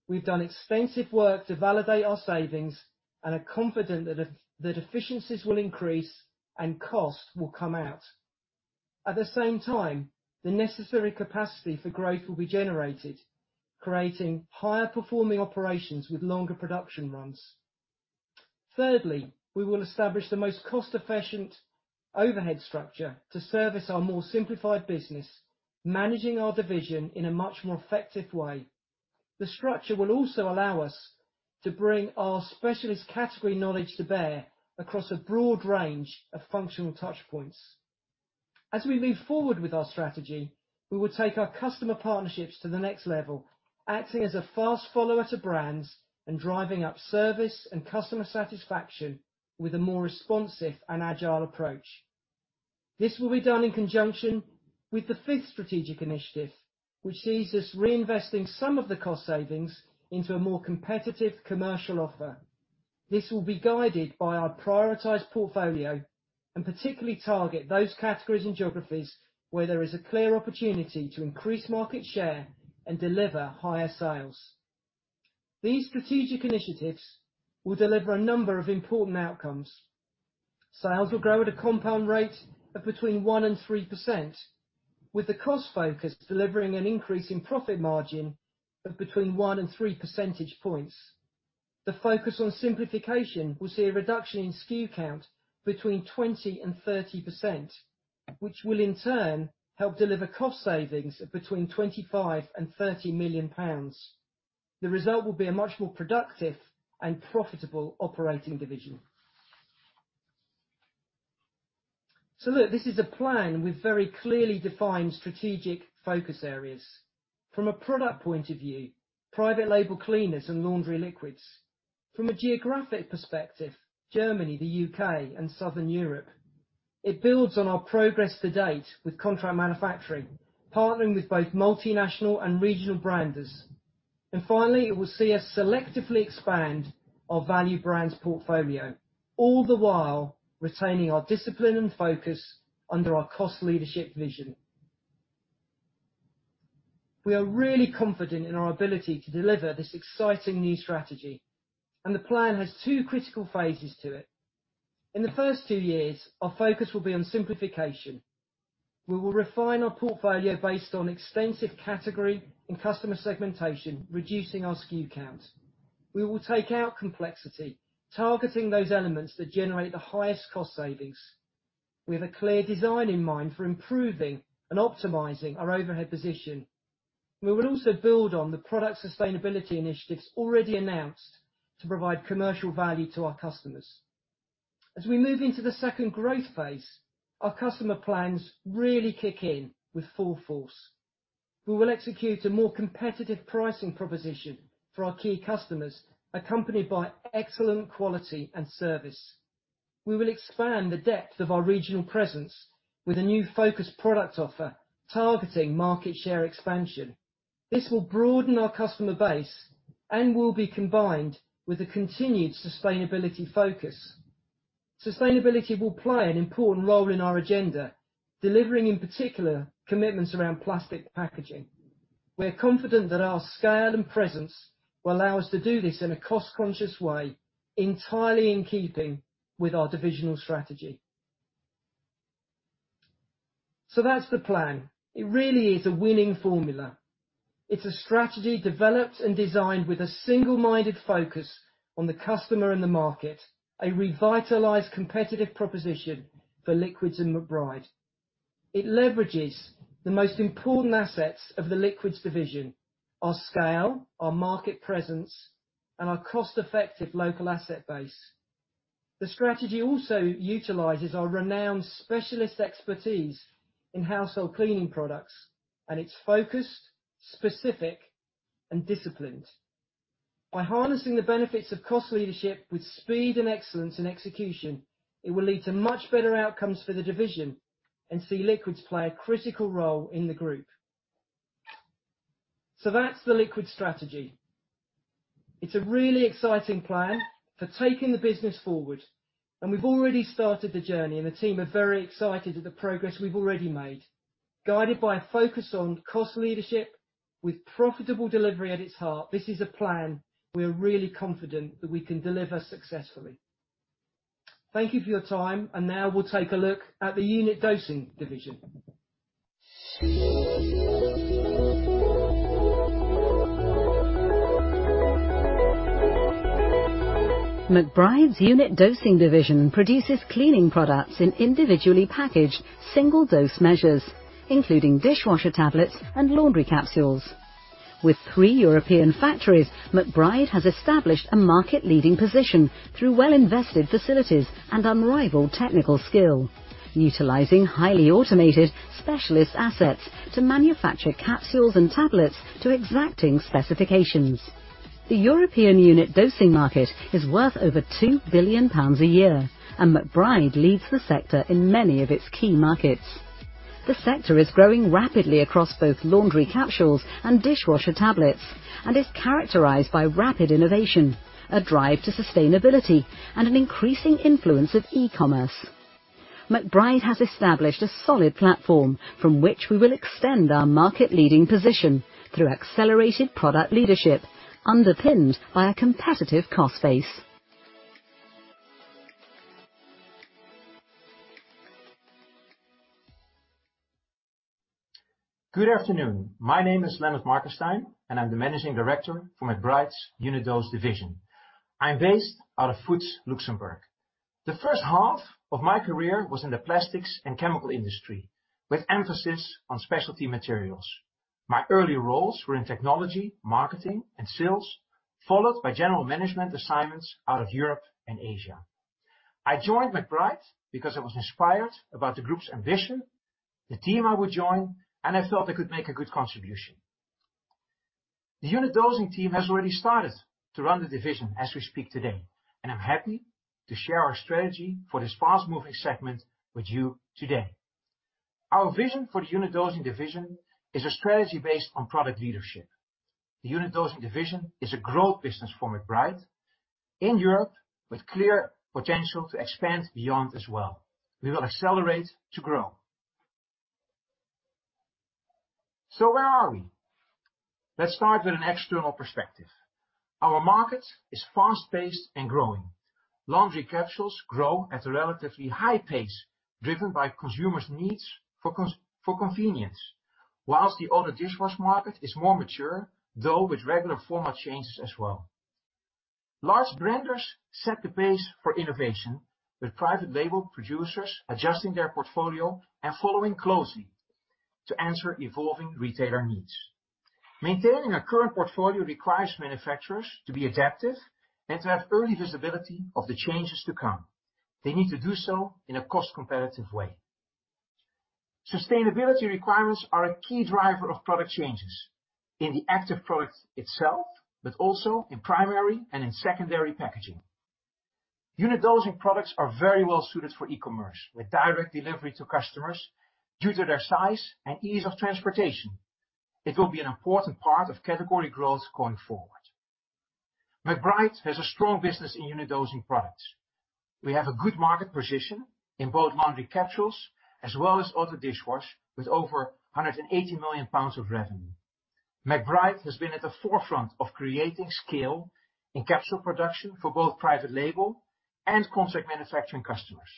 S6: We've done extensive work to validate our savings and are confident that efficiencies will increase and cost will come out. At the same time, the necessary capacity for growth will be generated, creating higher performing operations with longer production runs. Thirdly, we will establish the most cost-efficient overhead structure to service our more simplified business, managing our division in a much more effective way. The structure will also allow us to bring our specialist category knowledge to bear across a broad range of functional touch points. As we move forward with our strategy, we will take our customer partnerships to the next level, acting as a fast follower to brands and driving up service and customer satisfaction with a more responsive and agile approach. This will be done in conjunction with the fifth strategic initiative, which sees us reinvesting some of the cost savings into a more competitive commercial offer. This will be guided by our prioritized portfolio and particularly target those categories and geographies where there is a clear opportunity to increase market share and deliver higher sales. These strategic initiatives will deliver a number of important outcomes. Sales will grow at a compound rate of between 1% and 3%, with the cost focus delivering an increase in profit margin of between 1 and 3 percentage points. The focus on simplification will see a reduction in SKU count between 20% and 30%, which will in turn help deliver cost savings of between 25 million and 30 million pounds. The result will be a much more productive and profitable operating division. Look, this is a plan with very clearly defined strategic focus areas. From a product point of view, private label cleaners and laundry liquids. From a geographic perspective, Germany, the U.K., and Southern Europe. It builds on our progress to date with contract manufacturing, partnering with both multinational and regional branders. Finally, it will see us selectively expand our value brands portfolio, all the while retaining our discipline and focus under our cost leadership vision. We are really confident in our ability to deliver this exciting new strategy, the plan has two critical phases to it. In the first two years, our focus will be on simplification. We will refine our portfolio based on extensive category and customer segmentation, reducing our SKU count. We will take out complexity, targeting those elements that generate the highest cost savings, with a clear design in mind for improving and optimizing our overhead position. We will also build on the product sustainability initiatives already announced to provide commercial value to our customers. As we move into the second growth phase, our customer plans really kick in with full force. We will execute a more competitive pricing proposition for our key customers, accompanied by excellent quality and service. We will expand the depth of our regional presence with a new focused product offer, targeting market share expansion. This will broaden our customer base and will be combined with a continued sustainability focus. Sustainability will play an important role in our agenda, delivering, in particular, commitments around plastic packaging. We are confident that our scale and presence will allow us to do this in a cost-conscious way, entirely in keeping with our divisional strategy. That's the plan. It really is a winning formula. It's a strategy developed and designed with a single-minded focus on the customer and the market, a revitalized competitive proposition for Liquids and McBride. It leverages the most important assets of the Liquids division: our scale, our market presence, and our cost-effective local asset base. The strategy also utilizes our renowned specialist expertise in household cleaning products, and it's focused, specific, and disciplined. By harnessing the benefits of cost leadership with speed and excellence in execution, it will lead to much better outcomes for the division and see Liquids play a critical role in the group. That's the Liquid strategy. It's a really exciting plan for taking the business forward, and we've already started the journey, and the team are very excited at the progress we've already made. Guided by a focus on cost leadership with profitable delivery at its heart, this is a plan we are really confident that we can deliver successfully. Thank you for your time. Now we'll take a look at the Unit Dosing division.
S3: McBride's Unit Dosing division produces cleaning products in individually packaged single dose measures, including dishwasher tablets and laundry capsules. With three European factories, McBride has established a market leading position through well invested facilities and unrivaled technical skill. Utilizing highly automated specialist assets to manufacture capsules and tablets to exacting specifications. The European Unit Dosing market is worth over 2 billion pounds a year, and McBride leads the sector in many of its key markets. The sector is growing rapidly across both laundry capsules and dishwasher tablets, and is characterized by rapid innovation, a drive to sustainability, and an increasing influence of e-commerce. McBride has established a solid platform from which we will extend our market leading position through accelerated product leadership, underpinned by a competitive cost base.
S7: Good afternoon. My name is Lennard Markestein, and I'm the Managing Director for McBride's Unit Dosing division. I'm based out of Foetz, Luxembourg. The first half of my career was in the plastics and chemical industry, with emphasis on specialty materials. My early roles were in technology, marketing, and sales, followed by general management assignments out of Europe and Asia. I joined McBride because I was inspired about the group's ambition, the team I would join, and I felt I could make a good contribution. The Unit Dosing team has already started to run the division as we speak today, and I'm happy to share our strategy for this fast moving segment with you today. Our vision for the Unit Dosing division is a strategy based on product leadership. The Unit Dosing division is a growth business for McBride in Europe, with clear potential to expand beyond as well. We will accelerate to grow. Where are we? Let's start with an external perspective. Our market is fast-paced and growing. Laundry capsules grow at a relatively high pace, driven by consumers' needs for convenience, while the auto dishwasher market is more mature, though with regular format changes as well. Large brands set the pace for innovation, with private label producers adjusting their portfolio and following closely to answer evolving retailer needs. Maintaining a current portfolio requires manufacturers to be adaptive and to have early visibility of the changes to come. They need to do so in a cost competitive way. Sustainability requirements are a key driver of product changes in the active product itself, but also in primary and in secondary packaging. Unit dosing products are very well suited for e-commerce, with direct delivery to customers due to their size and ease of transportation. It will be an important part of category growth going forward. McBride has a strong business in Unit Dosing products. We have a good market position in both laundry capsules as well as auto dishwasher, with over 180 million pounds of revenue. McBride has been at the forefront of creating scale in capsule production for both private label and contract manufacturing customers.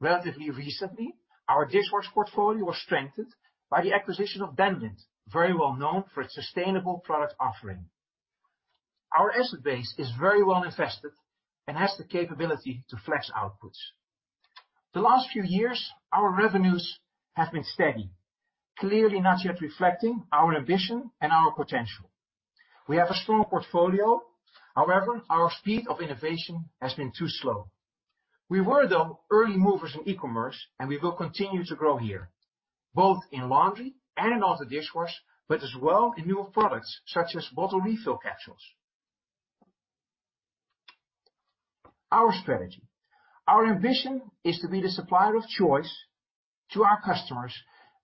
S7: Relatively recently, our dishwasher portfolio was strengthened by the acquisition of Danlind, very well known for its sustainable product offering. Our asset base is very well invested and has the capability to flex outputs. The last few years, our revenues have been steady, clearly not yet reflecting our ambition and our potential. We have a strong portfolio. However, our speed of innovation has been too slow. We were, though, early movers in e-commerce, and we will continue to grow here, both in laundry and auto dishwasher, but as well in newer products such as bottle refill capsules. Our strategy. Our ambition is to be the supplier of choice to our customers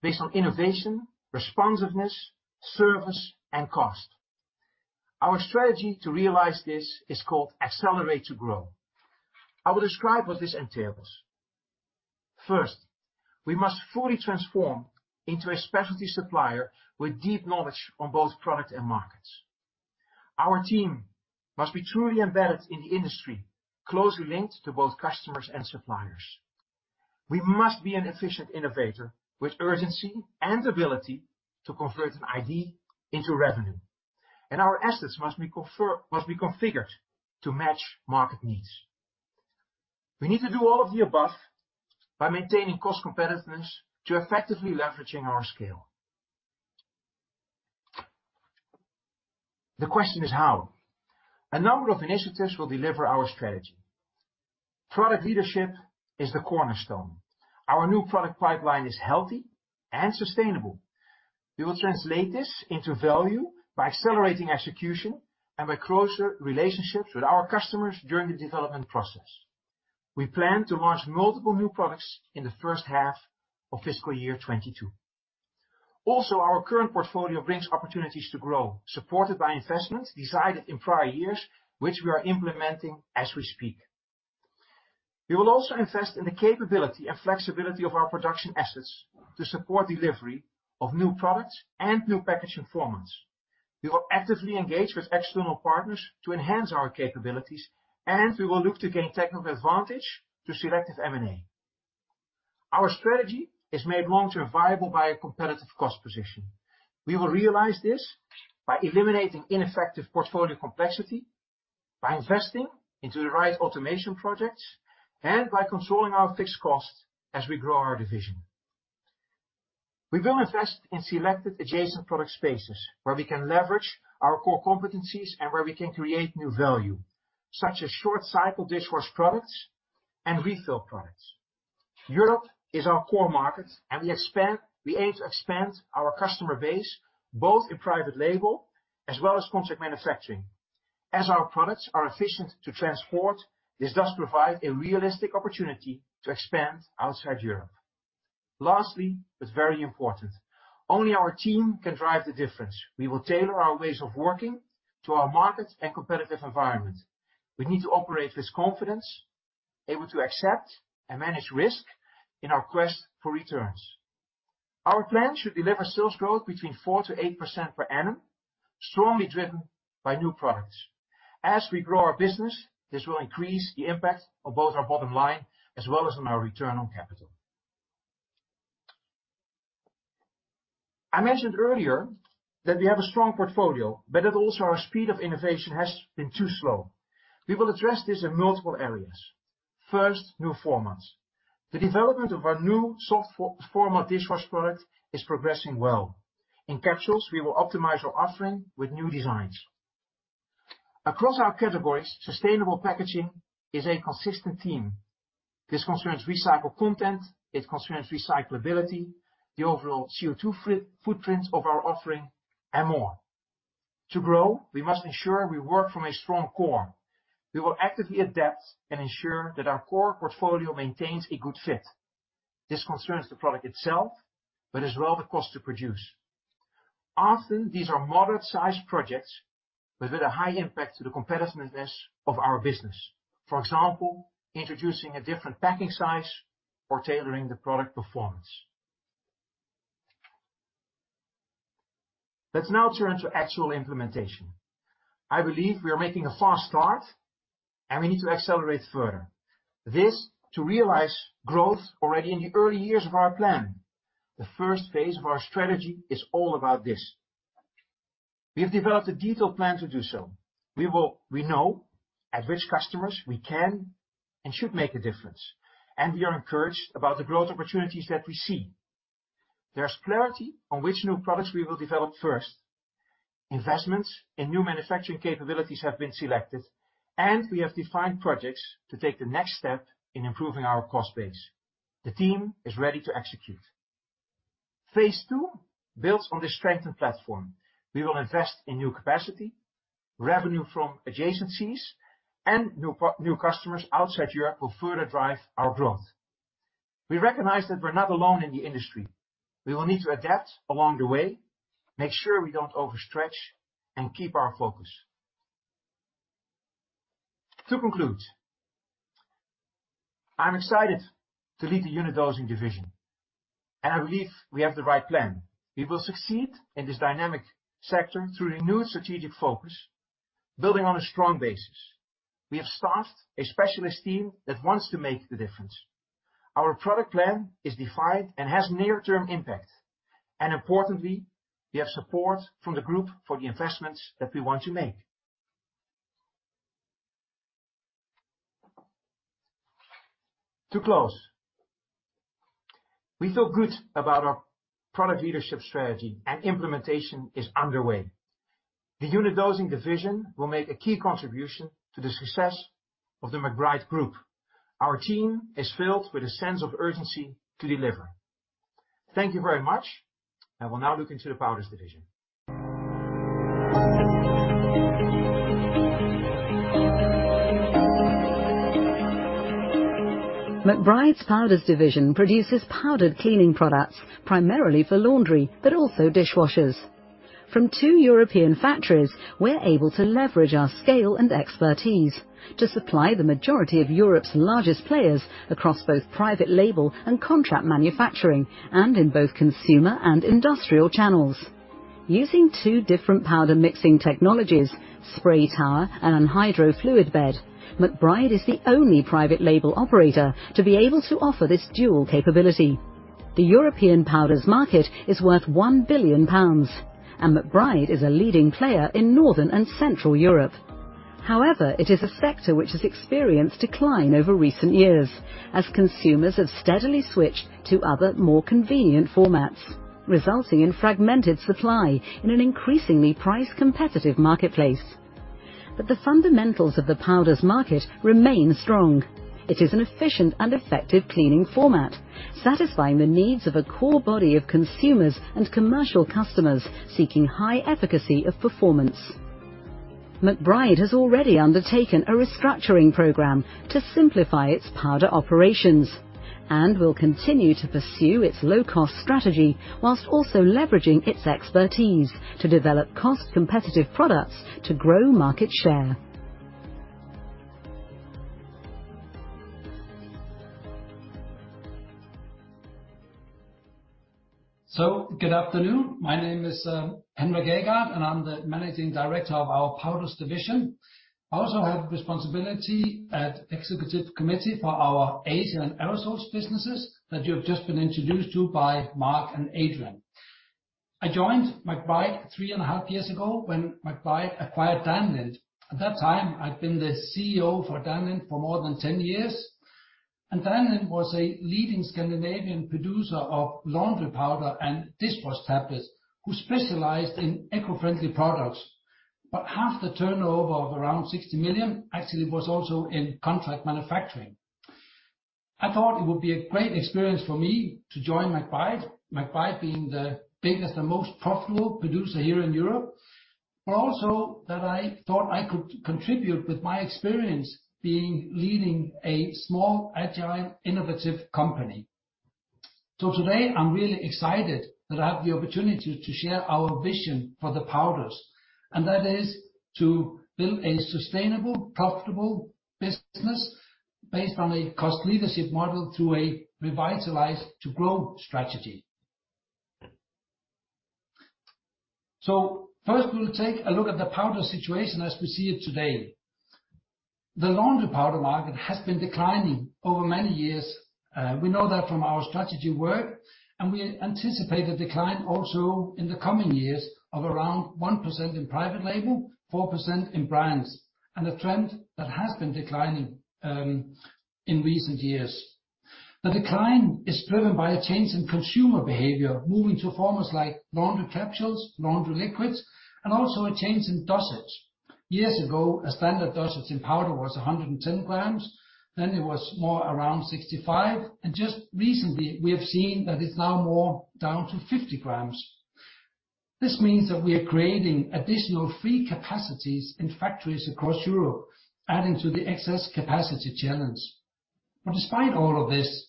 S7: based on innovation, responsiveness, service, and cost. Our strategy to realize this is called Accelerate to Grow. I will describe what this entails. First, we must fully transform into a specialty supplier with deep knowledge on both product and markets. Our team must be truly embedded in the industry, closely linked to both customers and suppliers. We must be an efficient innovator with urgency and ability to convert an idea into revenue. Our assets must be configured to match market needs. We need to do all of the above by maintaining cost competitiveness to effectively leveraging our scale. The question is how. A number of initiatives will deliver our strategy. Product leadership is the cornerstone. Our new product pipeline is healthy and sustainable. We will translate this into value by accelerating execution and by closer relationships with our customers during the development process. We plan to launch multiple new products in the first half of fiscal year 2022. Our current portfolio brings opportunities to grow, supported by investments decided in prior years, which we are implementing as we speak. We will also invest in the capability and flexibility of our production assets to support delivery of new products and new packaging formats. We will actively engage with external partners to enhance our capabilities, and we will look to gain technical advantage to selective M&A. Our strategy is made long-term viable by a competitive cost position. We will realize this by eliminating ineffective portfolio complexity, by investing into the right automation projects, and by controlling our fixed costs as we grow our division. We will invest in selected adjacent product spaces where we can leverage our core competencies and where we can create new value, such as short cycle dishwasher products and refill products. Europe is our core market, and we aim to expand our customer base both in private label as well as contract manufacturing. As our products are efficient to transport, this does provide a realistic opportunity to expand outside Europe. Lastly, but very important, only our team can drive the difference. We will tailor our ways of working to our market and competitive environment. We need to operate with confidence, able to accept and manage risk in our quest for returns. Our plan should deliver sales growth between 4% to 8% per annum, strongly driven by new products. As we grow our business, this will increase the impact on both our bottom line as well as on our return on capital. I mentioned earlier that we have a strong portfolio, but that also our speed of innovation has been too slow. We will address this in multiple areas. First, new formats. The development of our new soft format dishwasher product is progressing well. In capsules, we will optimize our offering with new designs. Across our categories, sustainable packaging is a consistent theme. This concerns recycled content, it concerns recyclability, the overall CO2 footprint of our offering, and more. To grow, we must ensure we work from a strong core. We will actively adapt and ensure that our core portfolio maintains a good fit. This concerns the product itself, but as well the cost to produce. Often, these are moderate-sized projects, but with a high impact to the competitiveness of our business. For example, introducing a different packing size or tailoring the product performance. Let's now turn to actual implementation. I believe we are making a fast start, and we need to accelerate further. This to realize growth already in the early years of our plan. The phase I of our strategy is all about this. We have developed a detailed plan to do so. We know at which customers we can and should make a difference, and we are encouraged about the growth opportunities that we see. There's clarity on which new products we will develop first. Investments in new manufacturing capabilities have been selected, and we have defined projects to take the next step in improving our cost base. The team is ready to execute. Phase II builds on the strengthened platform. We will invest in new capacity, revenue from adjacencies and new customers outside Europe will further drive our growth. We recognize that we're not alone in the industry. We will need to adapt along the way, make sure we don't overstretch, and keep our focus. To conclude, I'm excited to lead the Unit Dosing Division, and I believe we have the right plan. We will succeed in this dynamic sector through renewed strategic focus, building on a strong basis. We have staffed a specialist team that wants to make the difference. Our product plan is defined and has near-term impact, and importantly, we have support from the group for the investments that we want to make. To close, we feel good about our product leadership strategy, and implementation is underway. The Unit Dosing division will make a key contribution to the success of the McBride Group. Our team is filled with a sense of urgency to deliver. Thank you very much. I will now look into the Powders division.
S3: McBride's Powders division produces powdered cleaning products primarily for laundry, but also dishwashers. From two European factories, we're able to leverage our scale and expertise to supply the majority of Europe's largest players across both private label and contract manufacturing, and in both consumer and industrial channels. Using two different powder mixing technologies, spray tower and hydro fluid bed, McBride is the only private label operator to be able to offer this dual capability. The European powders market is worth 1 billion pounds, and McBride is a leading player in Northern and Central Europe. However, it is a sector which has experienced decline over recent years as consumers have steadily switched to other, more convenient formats, resulting in fragmented supply in an increasingly price-competitive marketplace. The fundamentals of the powders market remain strong. It is an efficient and effective cleaning format, satisfying the needs of a core body of consumers and commercial customers seeking high efficacy of performance. McBride has already undertaken a restructuring program to simplify its powder operations and will continue to pursue its low-cost strategy while also leveraging its expertise to develop cost-competitive products to grow market share.
S8: Good afternoon. My name is Henrik Aagaard, and I'm the Managing Director of our Powders division. I also have responsibility at Executive Committee for our Asian and Aerosols businesses that you have just been introduced to by Mark and Adrian. I joined McBride 3.5 years ago when McBride acquired Danlind. At that time, I'd been the CEO for Danlind for more than 10 years, and Danlind was a leading Scandinavian producer of laundry powder and dishwasher tablets who specialized in eco-friendly products. Half the turnover of around 60 million actually was also in contract manufacturing. I thought it would be a great experience for me to join McBride. McBride being the biggest and most profitable producer here in Europe, but also that I thought I could contribute with my experience leading a small, agile, innovative company. Today, I'm really excited that I have the opportunity to share our vision for the Powders. That is to build a sustainable, profitable business based on a cost leadership model through a revitalized to grow strategy. First, we'll take a look at the powder situation as we see it today. The laundry powder market has been declining over many years. We know that from our strategy work, and we anticipate a decline also in the coming years of around 1% in private label, 4% in brands, and a trend that has been declining in recent years. The decline is driven by a change in consumer behavior, moving to formats like laundry capsules, laundry liquids, and also a change in dosage. Years ago, a standard dosage in powder was 110 grams, then it was more around 65 grams, and just recently we have seen that it's now more down to 50 grams. This means that we are creating additional free capacities in factories across Europe, adding to the excess capacity challenge. Despite all of this,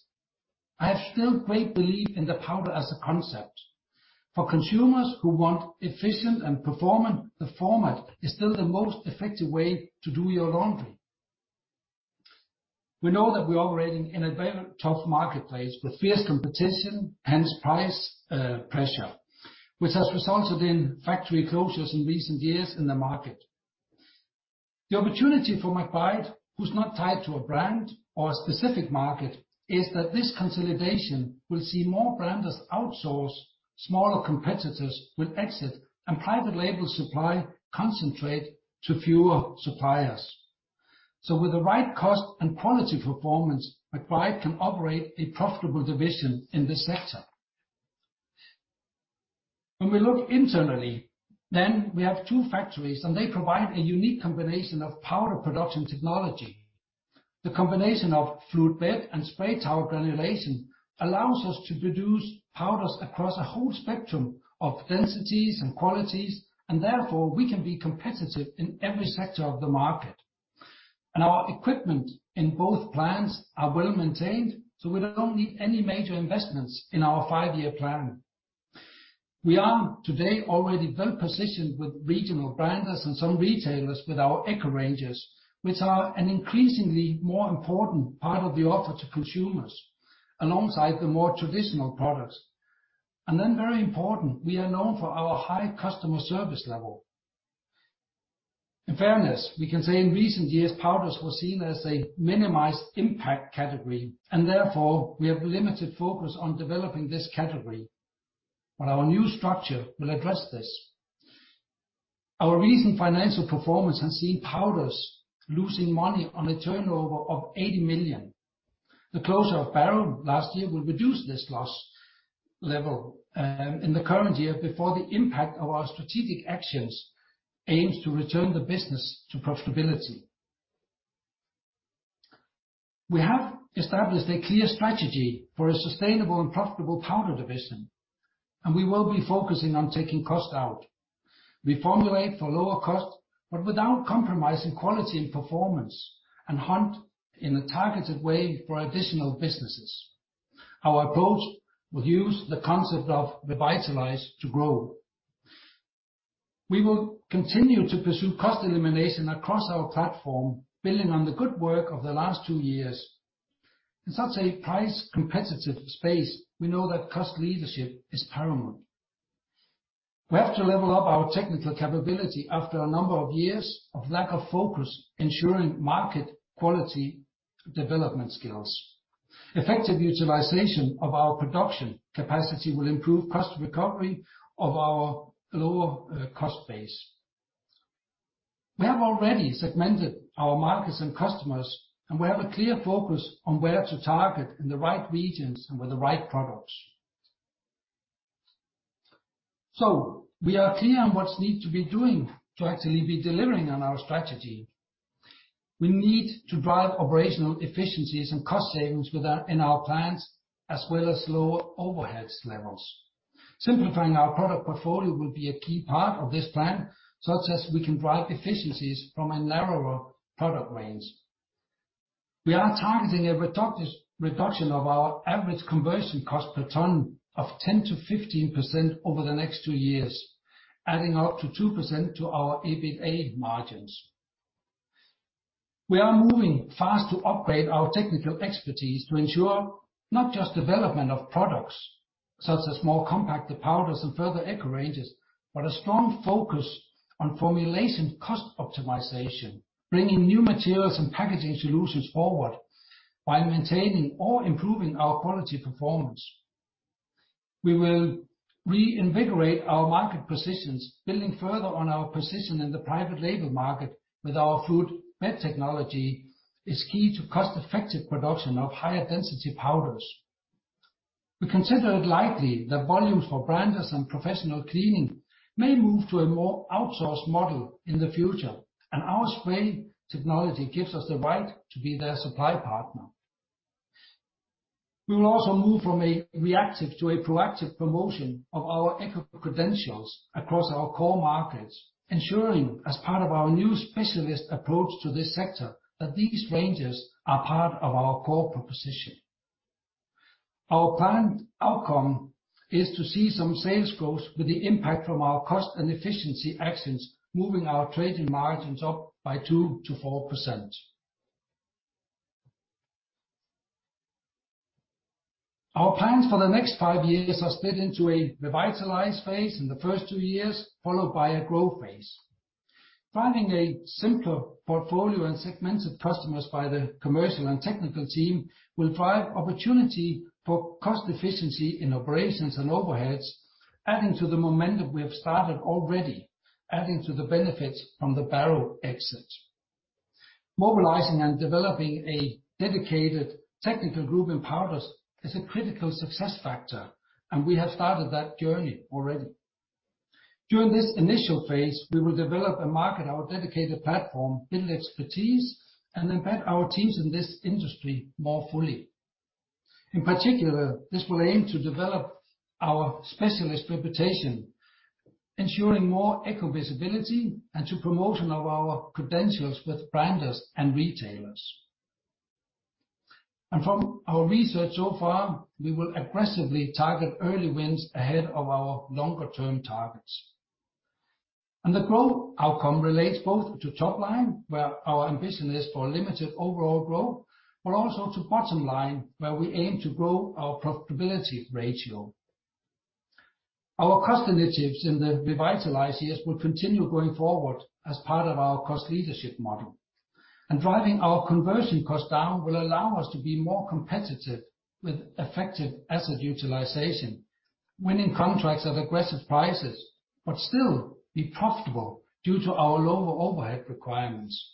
S8: I have still great belief in the powder as a concept. For consumers who want efficient and performant, the format is still the most effective way to do your laundry. We know that we're operating in a very tough marketplace with fierce competition, hence price pressure, which has resulted in factory closures in recent years in the market. The opportunity for McBride, who's not tied to a brand or a specific market, is that this consolidation will see more branders outsource, smaller competitors will exit, and private label supply concentrate to fewer suppliers. With the right cost and quality performance, McBride can operate a profitable division in this sector. When we look internally, we have two factories, they provide a unique combination of powder production technology. The combination of fluid-bed and spray tower granulation allows us to produce powders across a whole spectrum of densities and qualities, therefore, we can be competitive in every sector of the market. Our equipment in both plants are well-maintained, we don't need any major investments in our five-year plan. We are today already well-positioned with regional branders and some retailers with our eco ranges, which are an increasingly more important part of the offer to consumers, alongside the more traditional products. Very important, we are known for our high customer service level. In fairness, we can say in recent years, Powders were seen as a minimized impact category, and therefore, we have limited focus on developing this category. Our new structure will address this. Our recent financial performance has seen Powders losing money on a turnover of 80 million. The closure of Barrow last year will reduce this loss level in the current year before the impact of our strategic actions aims to return the business to profitability. We have established a clear strategy for a sustainable and profitable Powders division, and we will be focusing on taking cost out. We formulate for lower cost, but without compromising quality and performance, and hunt in a targeted way for additional businesses. Our approach will use the concept of revitalize to grow. We will continue to pursue cost elimination across our platform, building on the good work of the last two years. In such a price-competitive space, we know that cost leadership is paramount. We have to level up our technical capability after a number of years of lack of focus ensuring market quality development skills. Effective utilization of our production capacity will improve cost recovery of our lower cost base. We have already segmented our markets and customers, and we have a clear focus on where to target in the right regions and with the right products. We are clear on what's need to be doing to actually be delivering on our strategy. We need to drive operational efficiencies and cost savings in our plants, as well as lower overheads levels. Simplifying our product portfolio will be a key part of this plan, such as we can drive efficiencies from a narrower product range. We are targeting a reduction of our average conversion cost per ton of 10%-15% over the next two years, adding up to 2% to our EBITA margins. We are moving fast to upgrade our technical expertise to ensure not just development of products, such as more compacted powders and further eco ranges, but a strong focus on formulation cost optimization, bringing new materials and packaging solutions forward while maintaining or improving our quality performance. We will reinvigorate our market positions, building further on our position in the private label market with our fluid-bed technology is key to cost-effective production of higher density powders. We consider it likely that volumes for branders and professional cleaning may move to a more outsourced model in the future, and our spray technology gives us the right to be their supply partner. We will also move from a reactive to a proactive promotion of our eco credentials across our core markets, ensuring as part of our new specialist approach to this sector, that these ranges are part of our core proposition. Our planned outcome is to see some sales growth with the impact from our cost and efficiency actions, moving our trading margins up by 2%-4%. Our plans for the next five years are split into a revitalize phase in the first two years, followed by a growth phase. Finding a simpler portfolio and segmented customers by the commercial and technical team will drive opportunity for cost efficiency in operations and overheads, adding to the momentum we have started already, adding to the benefits from the Barrow exit. Mobilizing and developing a dedicated technical group in Powders is a critical success factor. We have started that journey already. During this initial phase, we will develop and market our dedicated platform, build expertise, and embed our teams in this industry more fully. In particular, this will aim to develop our specialist reputation, ensuring more eco visibility, and to promotion of our credentials with branders and retailers. From our research so far, we will aggressively target early wins ahead of our longer-term targets. The growth outcome relates both to top line, where our ambition is for limited overall growth, but also to bottom line, where we aim to grow our profitability ratio. Our cost initiatives in the Revitalise years will continue going forward as part of our cost leadership model. Driving our conversion cost down will allow us to be more competitive with effective asset utilization, winning contracts at aggressive prices, but still be profitable due to our lower overhead requirements.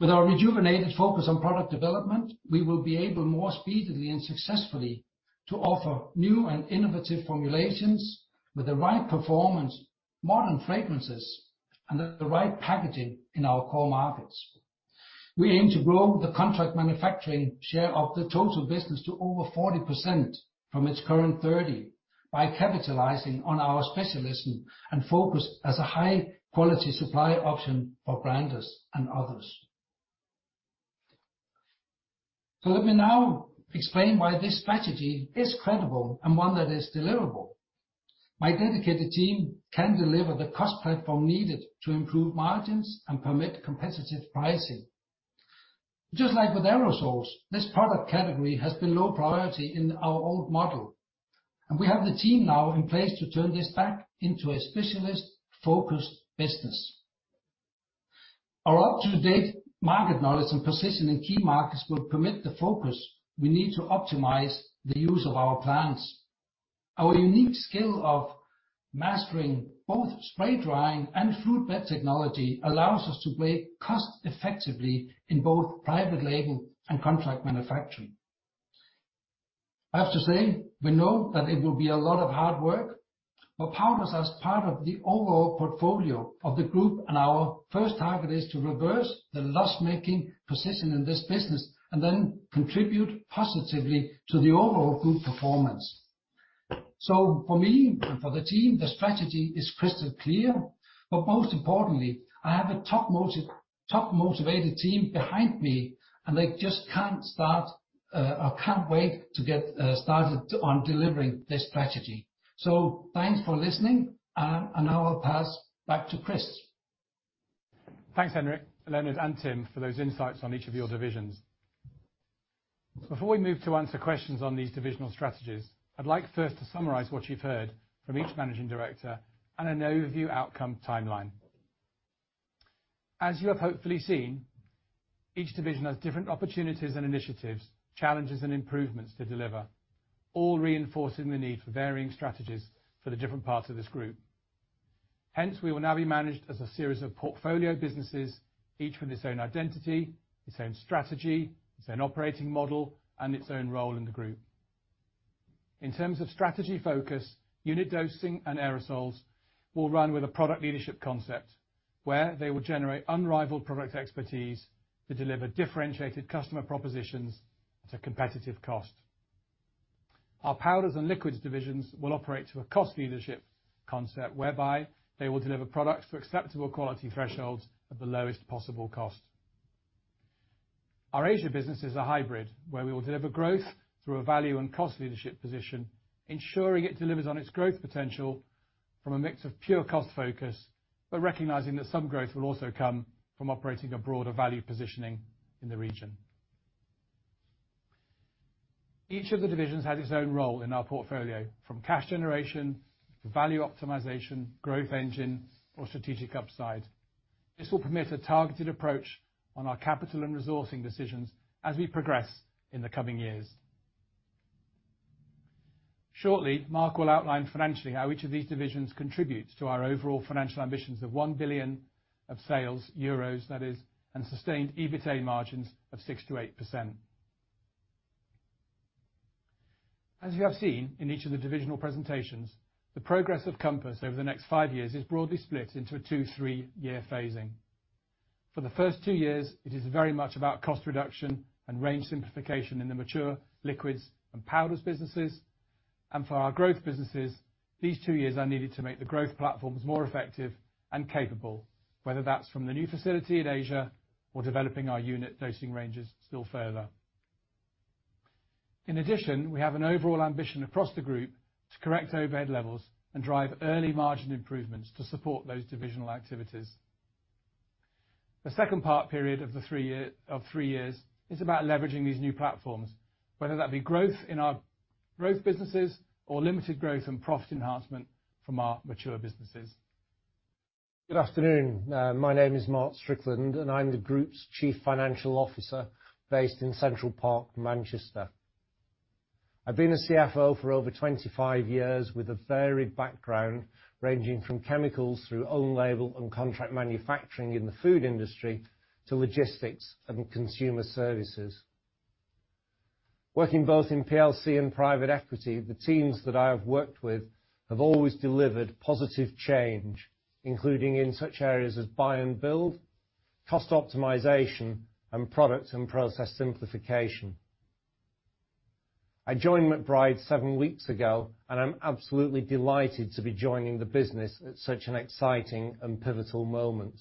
S8: With our rejuvenated focus on product development, we will be able more speedily and successfully to offer new and innovative formulations with the right performance, modern fragrances, and the right packaging in our core markets. We aim to grow the contract manufacturing share of the total business to over 40% from its current 30 by capitalizing on our specialism and focus as a high-quality supply option for branders and others. Let me now explain why this strategy is credible and one that is deliverable. My dedicated team can deliver the cost platform needed to improve margins and permit competitive pricing. Just like with Aerosols, this product category has been low priority in our old model, and we have the team now in place to turn this back into a specialist-focused business. Our up-to-date market knowledge and position in key markets will permit the focus we need to optimize the use of our plans. Our unique skill of mastering both spray drying and fluid-bed technology allows us to play cost effectively in both private label and contract manufacturing. I have to say, we know that it will be a lot of hard work, Powders, as part of the overall portfolio of the Group, and our first target is to reverse the loss-making position in this business and then contribute positively to the overall Group performance. For me and for the team, the strategy is crystal clear, but most importantly, I have a top motivated team behind me, and they just can't wait to get started on delivering this strategy. Thanks for listening, and I will pass back to Chris.
S2: Thanks, Henrik, Lennard, and Tim, for those insights on each of your divisions. Before we move to answer questions on these divisional strategies, I'd like first to summarize what you've heard from each managing director and an overview outcome timeline. As you have hopefully seen, each division has different opportunities and initiatives, challenges, and improvements to deliver, all reinforcing the need for varying strategies for the different parts of this group. Hence, we will now be managed as a series of portfolio businesses, each with its own identity, its own strategy, its own operating model, and its own role in the group. In terms of strategy focus, Unit Dosing and Aerosols will run with a product leadership concept, where they will generate unrivaled product expertise to deliver differentiated customer propositions at a competitive cost. Our Powders and Liquids divisions will operate to a cost leadership concept, whereby they will deliver products to acceptable quality thresholds at the lowest possible cost. Our Asia business is a hybrid, where we will deliver growth through a value and cost leadership position, ensuring it delivers on its growth potential from a mix of pure cost focus, but recognizing that some growth will also come from operating a broader value positioning in the region. Each of the divisions has its own role in our portfolio, from cash generation to value optimization, growth engine, or strategic upside. This will permit a targeted approach on our capital and resourcing decisions as we progress in the coming years. Shortly, Mark will outline financially how each of these divisions contributes to our overall financial ambitions of 1 billion of sales, and sustained EBITA margins of 6%-8%. As you have seen in each of the divisional presentations, the progress of Compass over the next five years is broadly split into a two, three-year phasing. For the first two years, it is very much about cost reduction and range simplification in the mature Liquids and Powders businesses. For our growth businesses, these two years are needed to make the growth platforms more effective and capable, whether that's from the new facility in Asia or developing our Unit Dosing ranges still further. In addition, we have an overall ambition across the group to correct overhead levels and drive early margin improvements to support those divisional activities. The second part period of three years is about leveraging these new platforms, whether that be growth in our growth businesses or limited growth and profit enhancement from our mature businesses.
S9: Good afternoon. My name is Mark Strickland, and I'm the group's Chief Financial Officer based in Central Park, Manchester. I've been a CFO for over 25 years with a varied background, ranging from chemicals through own label and contract manufacturing in the food industry to logistics and consumer services. Working both in PLC and private equity, the teams that I have worked with have always delivered positive change, including in such areas as buy and build, cost optimization, and product and process simplification. I joined McBride seven weeks ago, and I'm absolutely delighted to be joining the business at such an exciting and pivotal moment.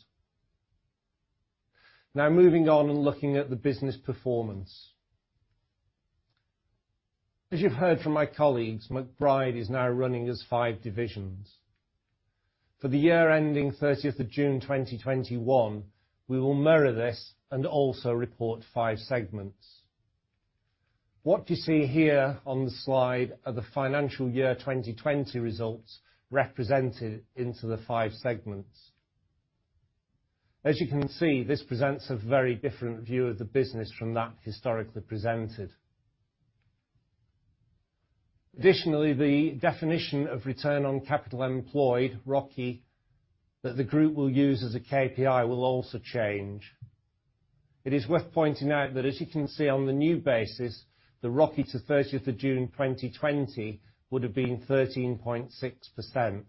S9: Now moving on and looking at the business performance. As you've heard from my colleagues, McBride is now running as five divisions. For the year ending 30 June 2021, we will mirror this and also report five segments. What you see here on the slide are the financial year 2020 results represented into the five segments. As you can see, this presents a very different view of the business from that historically presented. Additionally, the definition of return on capital employed, ROCE, that the group will use as a KPI will also change. It is worth pointing out that as you can see on the new basis, the ROCE to 30 June 2020 would've been 13.6%.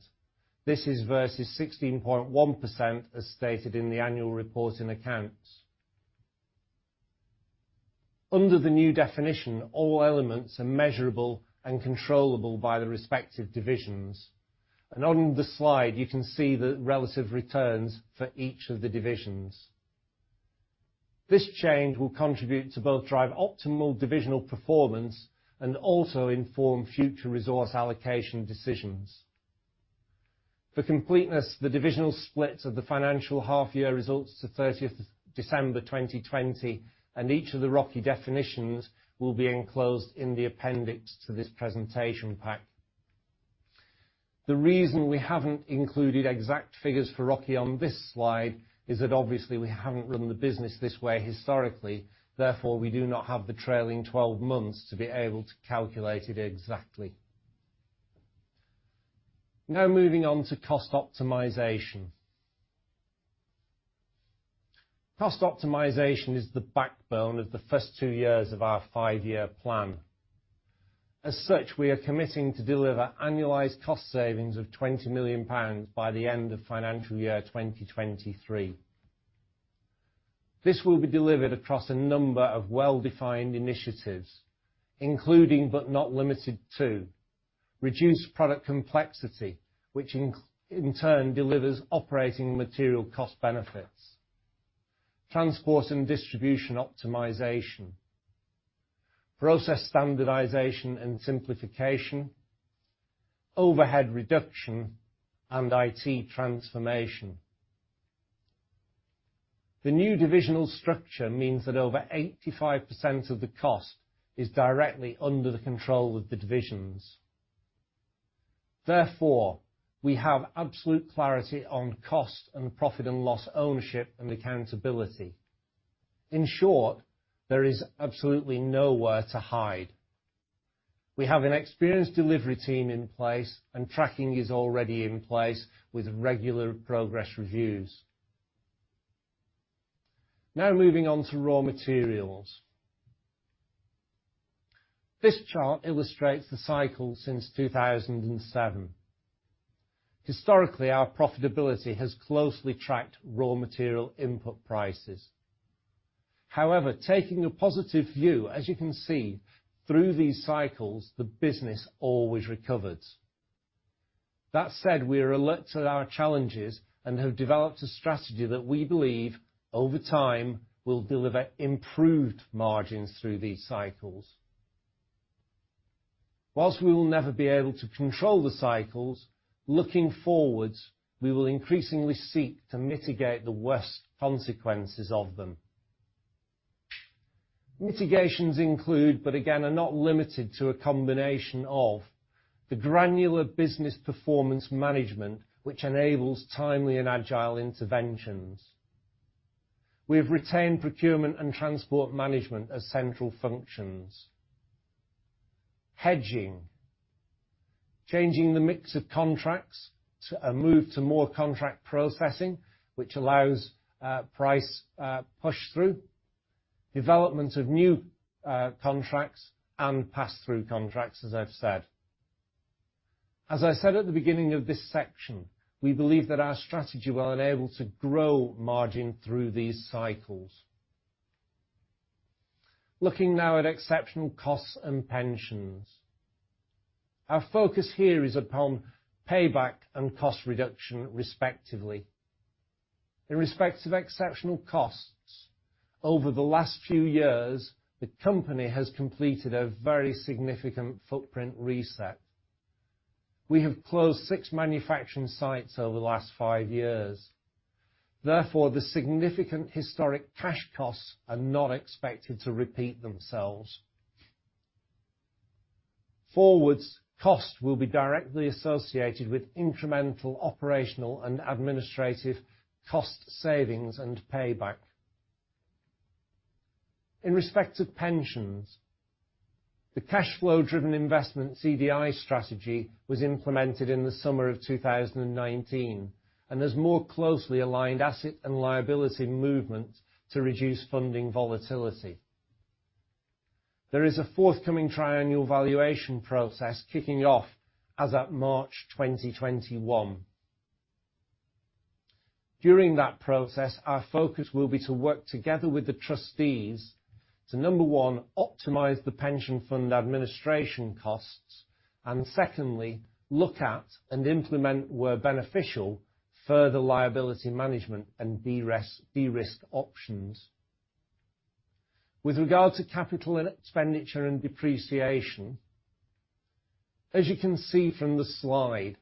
S9: This is versus 16.1% as stated in the annual report and accounts. Under the new definition, all elements are measurable and controllable by the respective divisions. On the slide, you can see the relative returns for each of the divisions. This change will contribute to both drive optimal divisional performance and also inform future resource allocation decisions. For completeness, the divisional splits of the financial half-year results to 30 December 2020, and each of the ROCE definitions will be enclosed in the appendix to this presentation pack. The reason we haven't included exact figures for ROCE on this slide is that obviously we haven't run the business this way historically. We do not have the trailing 12 months to be able to calculate it exactly. Moving on to cost optimization. Cost optimization is the backbone of the first two years of our five-year plan. We are committing to deliver annualized cost savings of 20 million pounds by the end of financial year 2023. This will be delivered across a number of well-defined initiatives, including but not limited to reduced product complexity, which in turn delivers operating material cost benefits, transport and distribution optimization, process standardization and simplification, overhead reduction, and IT transformation. The new divisional structure means that over 85% of the cost is directly under the control of the divisions. We have absolute clarity on cost and profit and loss ownership and accountability. In short, there is absolutely nowhere to hide. We have an experienced delivery team in place, and tracking is already in place with regular progress reviews. Moving on to raw materials. This chart illustrates the cycle since 2007. Historically, our profitability has closely tracked raw material input prices. Taking a positive view, as you can see, through these cycles, the business always recovers. That said, we are alert to our challenges and have developed a strategy that we believe over time will deliver improved margins through these cycles. While we will never be able to control the cycles, looking forward, we will increasingly seek to mitigate the worst consequences of them. Mitigations include, but again, are not limited to, a combination of the granular business performance management, which enables timely and agile interventions. We have retained procurement and transport management as central functions. Hedging, changing the mix of contracts, a move to more contract processing, which allows price push-through, development of new contracts, and pass-through contracts, as I've said. As I said at the beginning of this section, we believe that our strategy will enable to grow margin through these cycles. Looking now at exceptional costs and pensions. Our focus here is upon payback and cost reduction respectively. In respect of exceptional costs, over the last few years, the company has completed a very significant footprint reset. We have closed six manufacturing sites over the last five years. Therefore, the significant historic cash costs are not expected to repeat themselves. Forwards, cost will be directly associated with incremental operational and administrative cost savings and payback. In respect of pensions, the cashflow-driven investment CDI strategy was implemented in the summer of 2019, and has more closely aligned asset and liability movement to reduce funding volatility. There is a forthcoming triannual valuation process kicking off as at March 2021. During that process, our focus will be to work together with the trustees to, number one, optimize the pension fund administration costs. Secondly, look at and implement, where beneficial, further liability management and de-risk options. With regard to capital expenditure and depreciation, as you can see from the slide,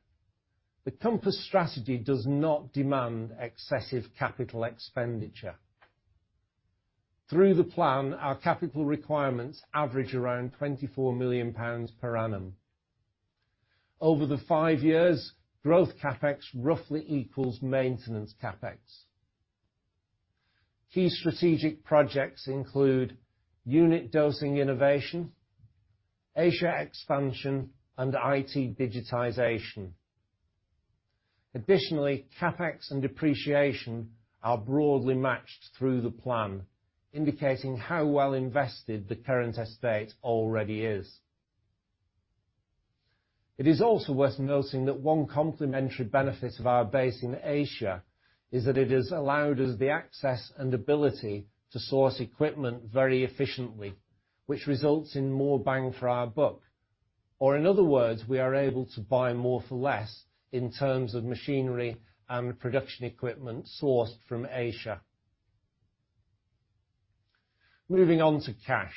S9: the Compass strategy does not demand excessive capital expenditure. Through the plan, our capital requirements average around 24 million pounds per annum. Over the five years, growth CapEx roughly equals maintenance CapEx. Key strategic projects include Unit Dosing innovation, Asia expansion, and IT digitization. Additionally, CapEx and depreciation are broadly matched through the plan, indicating how well invested the current estate already is. It is also worth noting that one complementary benefit of our base in Asia is that it has allowed us the access and ability to source equipment very efficiently, which results in more bang for our buck. Or in other words, we are able to buy more for less in terms of machinery and production equipment sourced from Asia. Moving on to cash.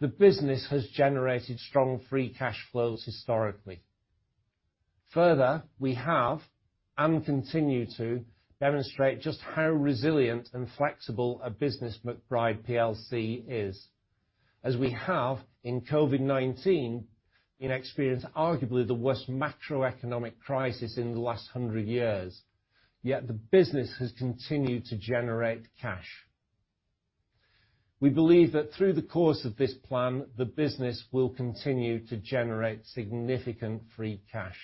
S9: The business has generated strong free cash flows historically. Further, we have and continue to demonstrate just how resilient and flexible a business McBride plc is, as we have in COVID-19, experienced arguably the worst macroeconomic crisis in the last 100 years, yet the business has continued to generate cash. We believe that through the course of this plan, the business will continue to generate significant free cash.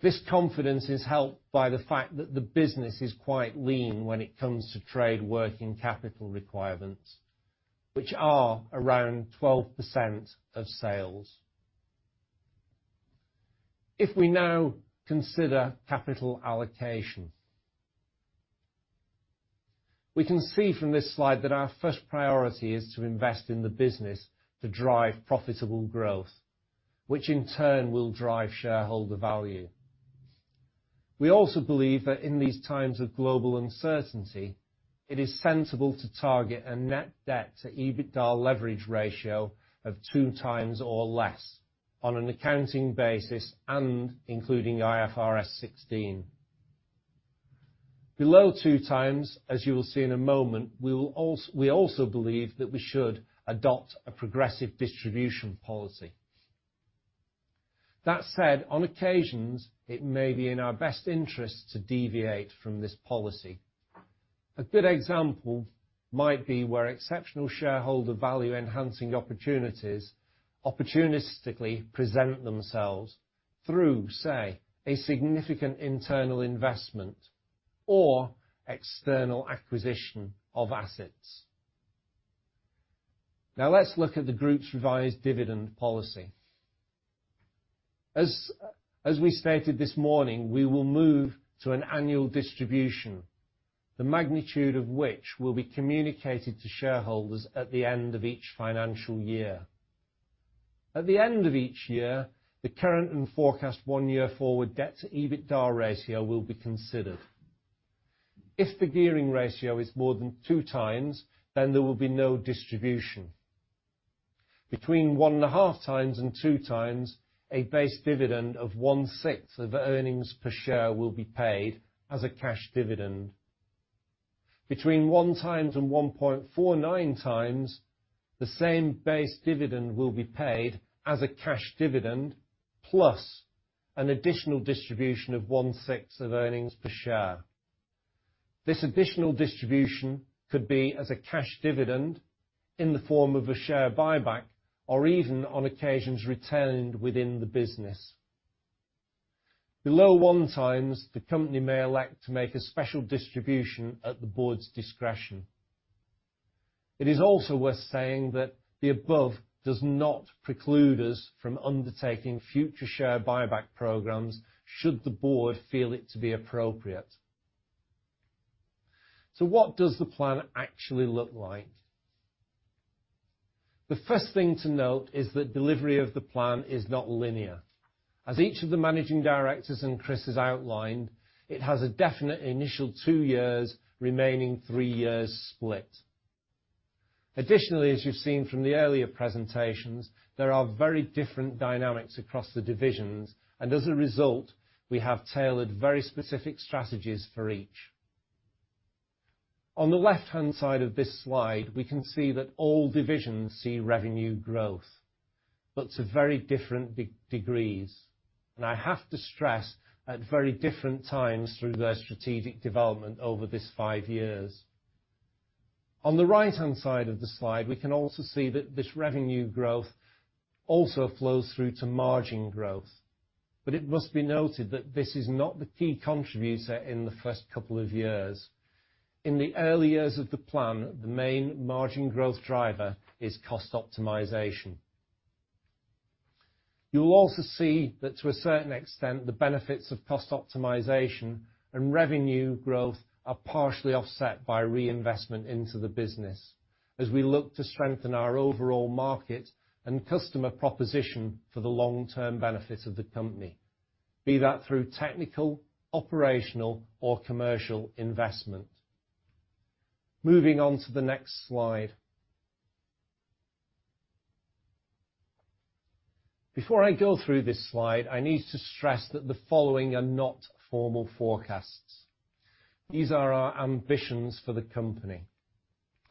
S9: This confidence is helped by the fact that the business is quite lean when it comes to trade working capital requirements, which are around 12% of sales. If we now consider capital allocation. We can see from this slide that our first priority is to invest in the business to drive profitable growth, which in turn will drive shareholder value. We also believe that in these times of global uncertainty, it is sensible to target a net debt to EBITDA leverage ratio of 2x or less on an accounting basis and including IFRS 16. Below 2x, as you will see in a moment, we also believe that we should adopt a progressive distribution policy. On occasions, it may be in our best interest to deviate from this policy. A good example might be where exceptional shareholder value enhancing opportunities opportunistically present themselves through, say, a significant internal investment or external acquisition of assets. Now, let's look at the group's revised dividend policy. As we stated this morning, we will move to an annual distribution, the magnitude of which will be communicated to shareholders at the end of each financial year. At the end of each year, the current and forecast one-year forward debt to EBITDA ratio will be considered. If the gearing ratio is more than 2x, then there will be no distribution. Between 1.5x-2x, a base dividend of one-sixth of earnings per share will be paid as a cash dividend. Between 1x-1.49x, the same base dividend will be paid as a cash dividend, plus an additional distribution of one-sixth of earnings per share. This additional distribution could be as a cash dividend in the form of a share buyback, or even on occasions retained within the business. Below 1x, the company may elect to make a special distribution at the board's discretion. It is also worth saying that the above does not preclude us from undertaking future share buyback programs should the board feel it to be appropriate. What does the plan actually look like? The first thing to note is that delivery of the plan is not linear. As each of the managing directors and Chris has outlined, it has a definite initial two years remaining three years split. Additionally, as you've seen from the earlier presentations, there are very different dynamics across the divisions, and as a result, we have tailored very specific strategies for each. On the left-hand side of this slide, we can see that all divisions see revenue growth, but to very different degrees. I have to stress, at very different times through their strategic development over this five years. On the right-hand side of the slide, we can also see that this revenue growth also flows through to margin growth. It must be noted that this is not the key contributor in the first couple of years. In the early years of the plan, the main margin growth driver is cost optimization. You will also see that, to a certain extent, the benefits of cost optimization and revenue growth are partially offset by reinvestment into the business as we look to strengthen our overall market and customer proposition for the long-term benefit of the company, be that through technical, operational, or commercial investment. Moving on to the next slide. Before I go through this slide, I need to stress that the following are not formal forecasts. These are our ambitions for the company,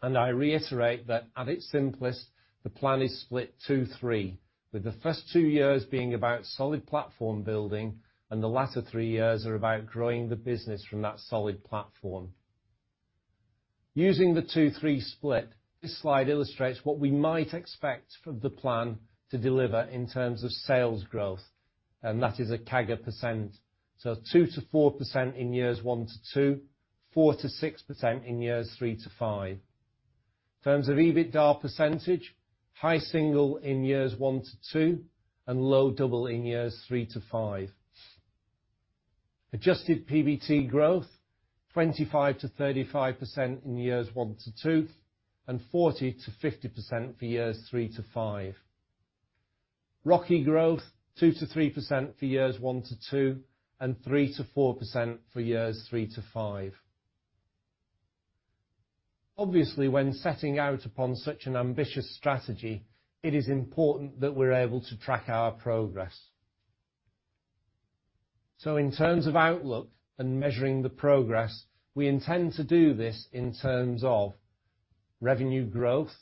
S9: and I reiterate that, at its simplest, the plan is split two-three, with the first two years being about solid platform building and the latter three years are about growing the business from that solid platform. Using the two-three split, this slide illustrates what we might expect from the plan to deliver in terms of sales growth, and that is a CAGR %. So 2%-4% in years 1-2, 4%-6% in year 3-5. In terms of EBITDA %, high single in years 1-2 and low double in years 3-5. Adjusted PBT growth, 25%-35% in years 1-2 and 40%-50% for years 3-5. ROCE growth, 2%-3% for years 1-2, and 3%-5% for years 3-5. Obviously, when setting out upon such an ambitious strategy, it is important that we are able to track our progress. In terms of outlook and measuring the progress, we intend to do this in terms of revenue growth.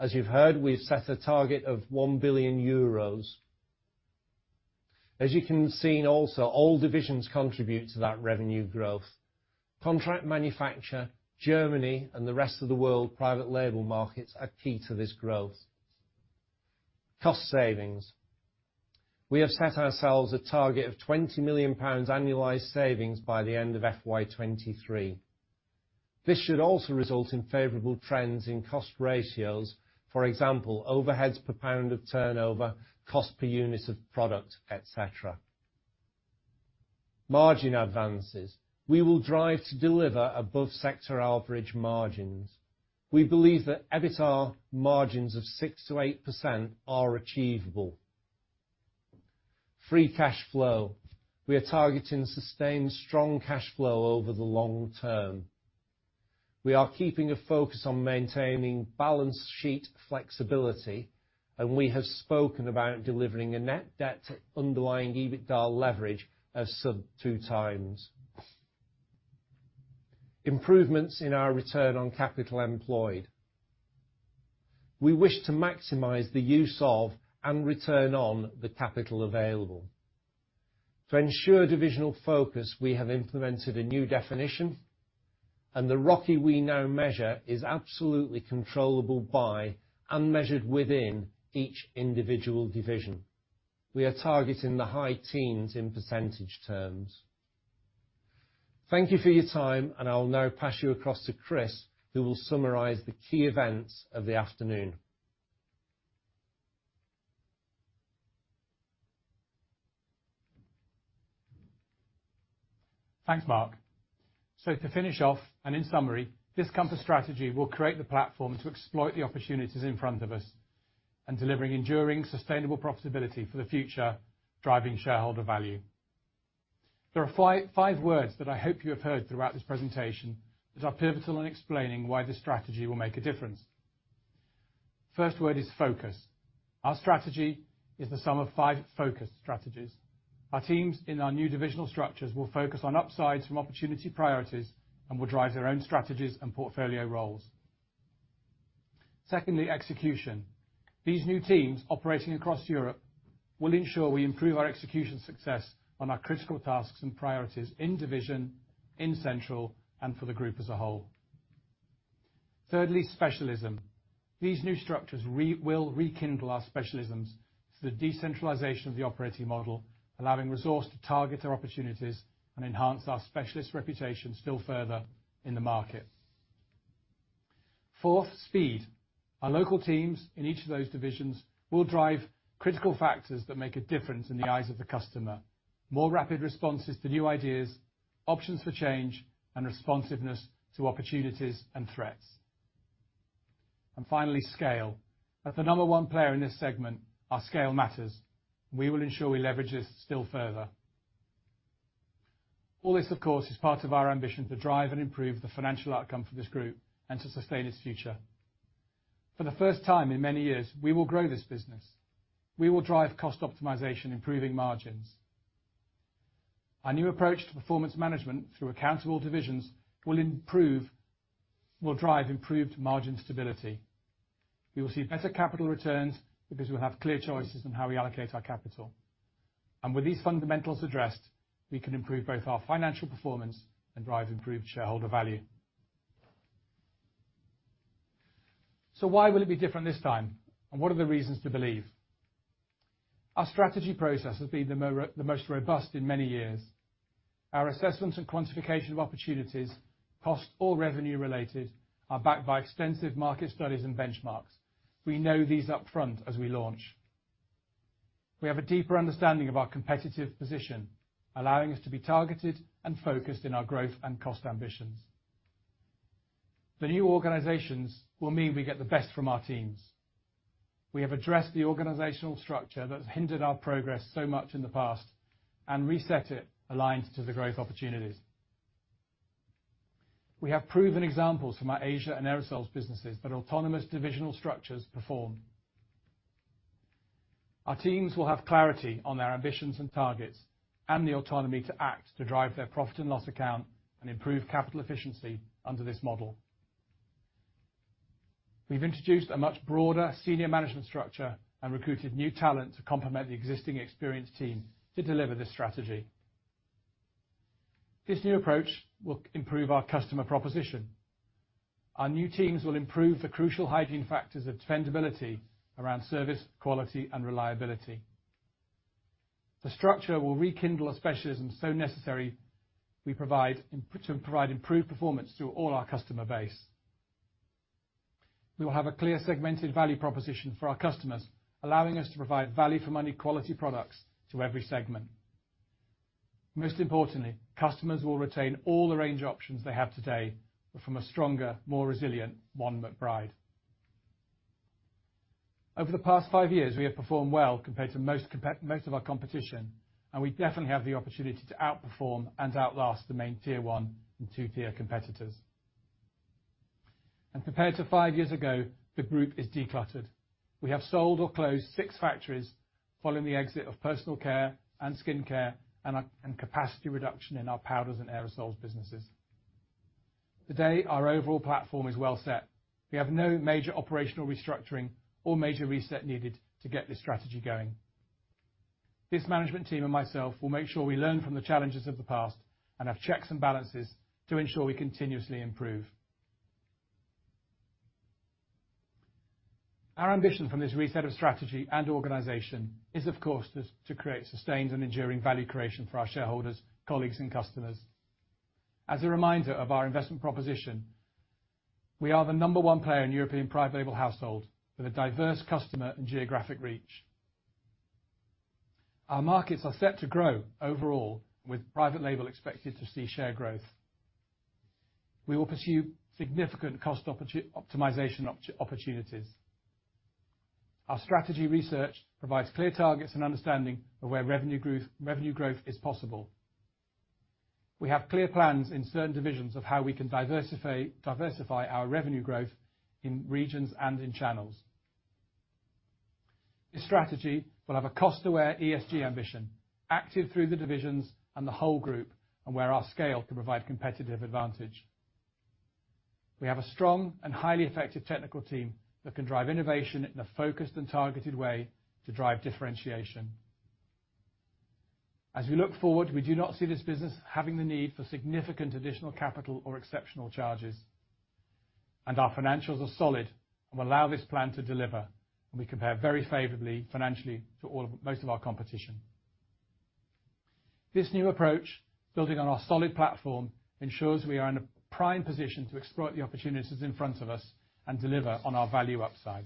S9: As you have heard, we have set a target of GBP 1 billion. As you can see and also all divisions contribute to that revenue growth. Contract manufacture, Germany, and the rest of the world private label markets are key to this growth. Cost savings. We have set ourselves a target of 20 million pounds annualized savings by the end of FY 2023. This should also result in favorable trends in cost ratios. For example, overheads per pound of turnover, cost per unit of product, et cetera. Margin advances. We will drive to deliver above-sector-average margins. We believe that EBITDA margins of 6%-8% are achievable. Free cash flow. We are targeting sustained strong cash flow over the long term. We are keeping a focus on maintaining balance sheet flexibility, and we have spoken about delivering a net debt to underlying EBITDA leverage of sub 2x. Improvements in our return on capital employed. We wish to maximize the use of, and return on, the capital available. To ensure divisional focus, we have implemented a new definition, and the ROCE we now measure is absolutely controllable by, and measured within, each individual division. We are targeting the high teens in percentage terms. Thank you for your time, and I'll now pass you across to Chris, who will summarize the key events of the afternoon.
S2: Thanks, Mark. To finish off, and in summary, this Compass strategy will create the platform to exploit the opportunities in front of us and delivering enduring, sustainable profitability for the future, driving shareholder value. There are five words that I hope you have heard throughout this presentation that are pivotal in explaining why this strategy will make a difference. First word is focus. Our strategy is the sum of five focus strategies. Our teams in our new divisional structures will focus on upsides from opportunity priorities and will drive their own strategies and portfolio roles. Secondly, execution. These new teams operating across Europe will ensure we improve our execution success on our critical tasks and priorities in division, in central, and for the group as a whole. Thirdly, specialism. These new structures will rekindle our specialisms through the decentralization of the operating model, allowing resource to target our opportunities and enhance our specialist reputation still further in the market. Fourth, speed. Our local teams in each of those divisions will drive critical factors that make a difference in the eyes of the customer. More rapid responses to new ideas, options for change, and responsiveness to opportunities and threats. Finally, scale. As the number one player in this segment, our scale matters. We will ensure we leverage this still further. All this, of course, is part of our ambition to drive and improve the financial outcome for this group and to sustain its future. For the first time in many years, we will grow this business. We will drive cost optimization, improving margins. Our new approach to performance management through accountable divisions will drive improved margin stability. You will see better capital returns because we'll have clear choices on how we allocate our capital. With these fundamentals addressed, we can improve both our financial performance and drive improved shareholder value. Why will it be different this time? What are the reasons to believe? Our strategy process has been the most robust in many years. Our assessments and quantification of opportunities, cost or revenue-related, are backed by extensive market studies and benchmarks. We know these up front as we launch. We have a deeper understanding of our competitive position, allowing us to be targeted and focused in our growth and cost ambitions. The new organizations will mean we get the best from our teams. We have addressed the organizational structure that has hindered our progress so much in the past, and reset it aligned to the growth opportunities. We have proven examples from our Asia and Aerosols businesses that autonomous divisional structures perform. Our teams will have clarity on their ambitions and targets and the autonomy to act to drive their profit and loss account and improve capital efficiency under this model. We've introduced a much broader senior management structure and recruited new talent to complement the existing experienced team to deliver this strategy. This new approach will improve our customer proposition. Our new teams will improve the crucial hygiene factors of dependability around service, quality, and reliability. The structure will rekindle a specialism so necessary to provide improved performance to all our customer base. We will have a clear segmented value proposition for our customers, allowing us to provide value-for-money quality products to every segment. Most importantly, customers will retain all the range options they have today, but from a stronger, more resilient One McBride. Over the past five years, we have performed well compared to most of our competition, and we definitely have the opportunity to outperform and outlast the main tier 1 and tier 2 competitors. Compared to five years ago, the group is decluttered. We have sold or closed six factories following the exit of personal care and skincare and capacity reduction in our Powders and Aerosols businesses. Today, our overall platform is well set. We have no major operational restructuring or major reset needed to get this strategy going. This management team and myself will make sure we learn from the challenges of the past and have checks and balances to ensure we continuously improve. Our ambition from this reset of strategy and organization is, of course, to create sustained and enduring value creation for our shareholders, colleagues, and customers. As a reminder of our investment proposition, we are the number one player in European private label household with a diverse customer and geographic reach. Our markets are set to grow overall, with private label expected to see share growth. We will pursue significant cost optimization opportunities. Our strategy research provides clear targets and understanding of where revenue growth is possible. We have clear plans in certain divisions of how we can diversify our revenue growth in regions and in channels. This strategy will have a cost-aware ESG ambition, active through the divisions and the whole group, and where our scale can provide competitive advantage. We have a strong and highly effective technical team that can drive innovation in a focused and targeted way to drive differentiation. As we look forward, we do not see this business having the need for significant additional capital or exceptional charges. Our financials are solid and will allow this plan to deliver, and we compare very favorably financially to most of our competition. This new approach, building on our solid platform, ensures we are in a prime position to exploit the opportunities in front of us and deliver on our value upside.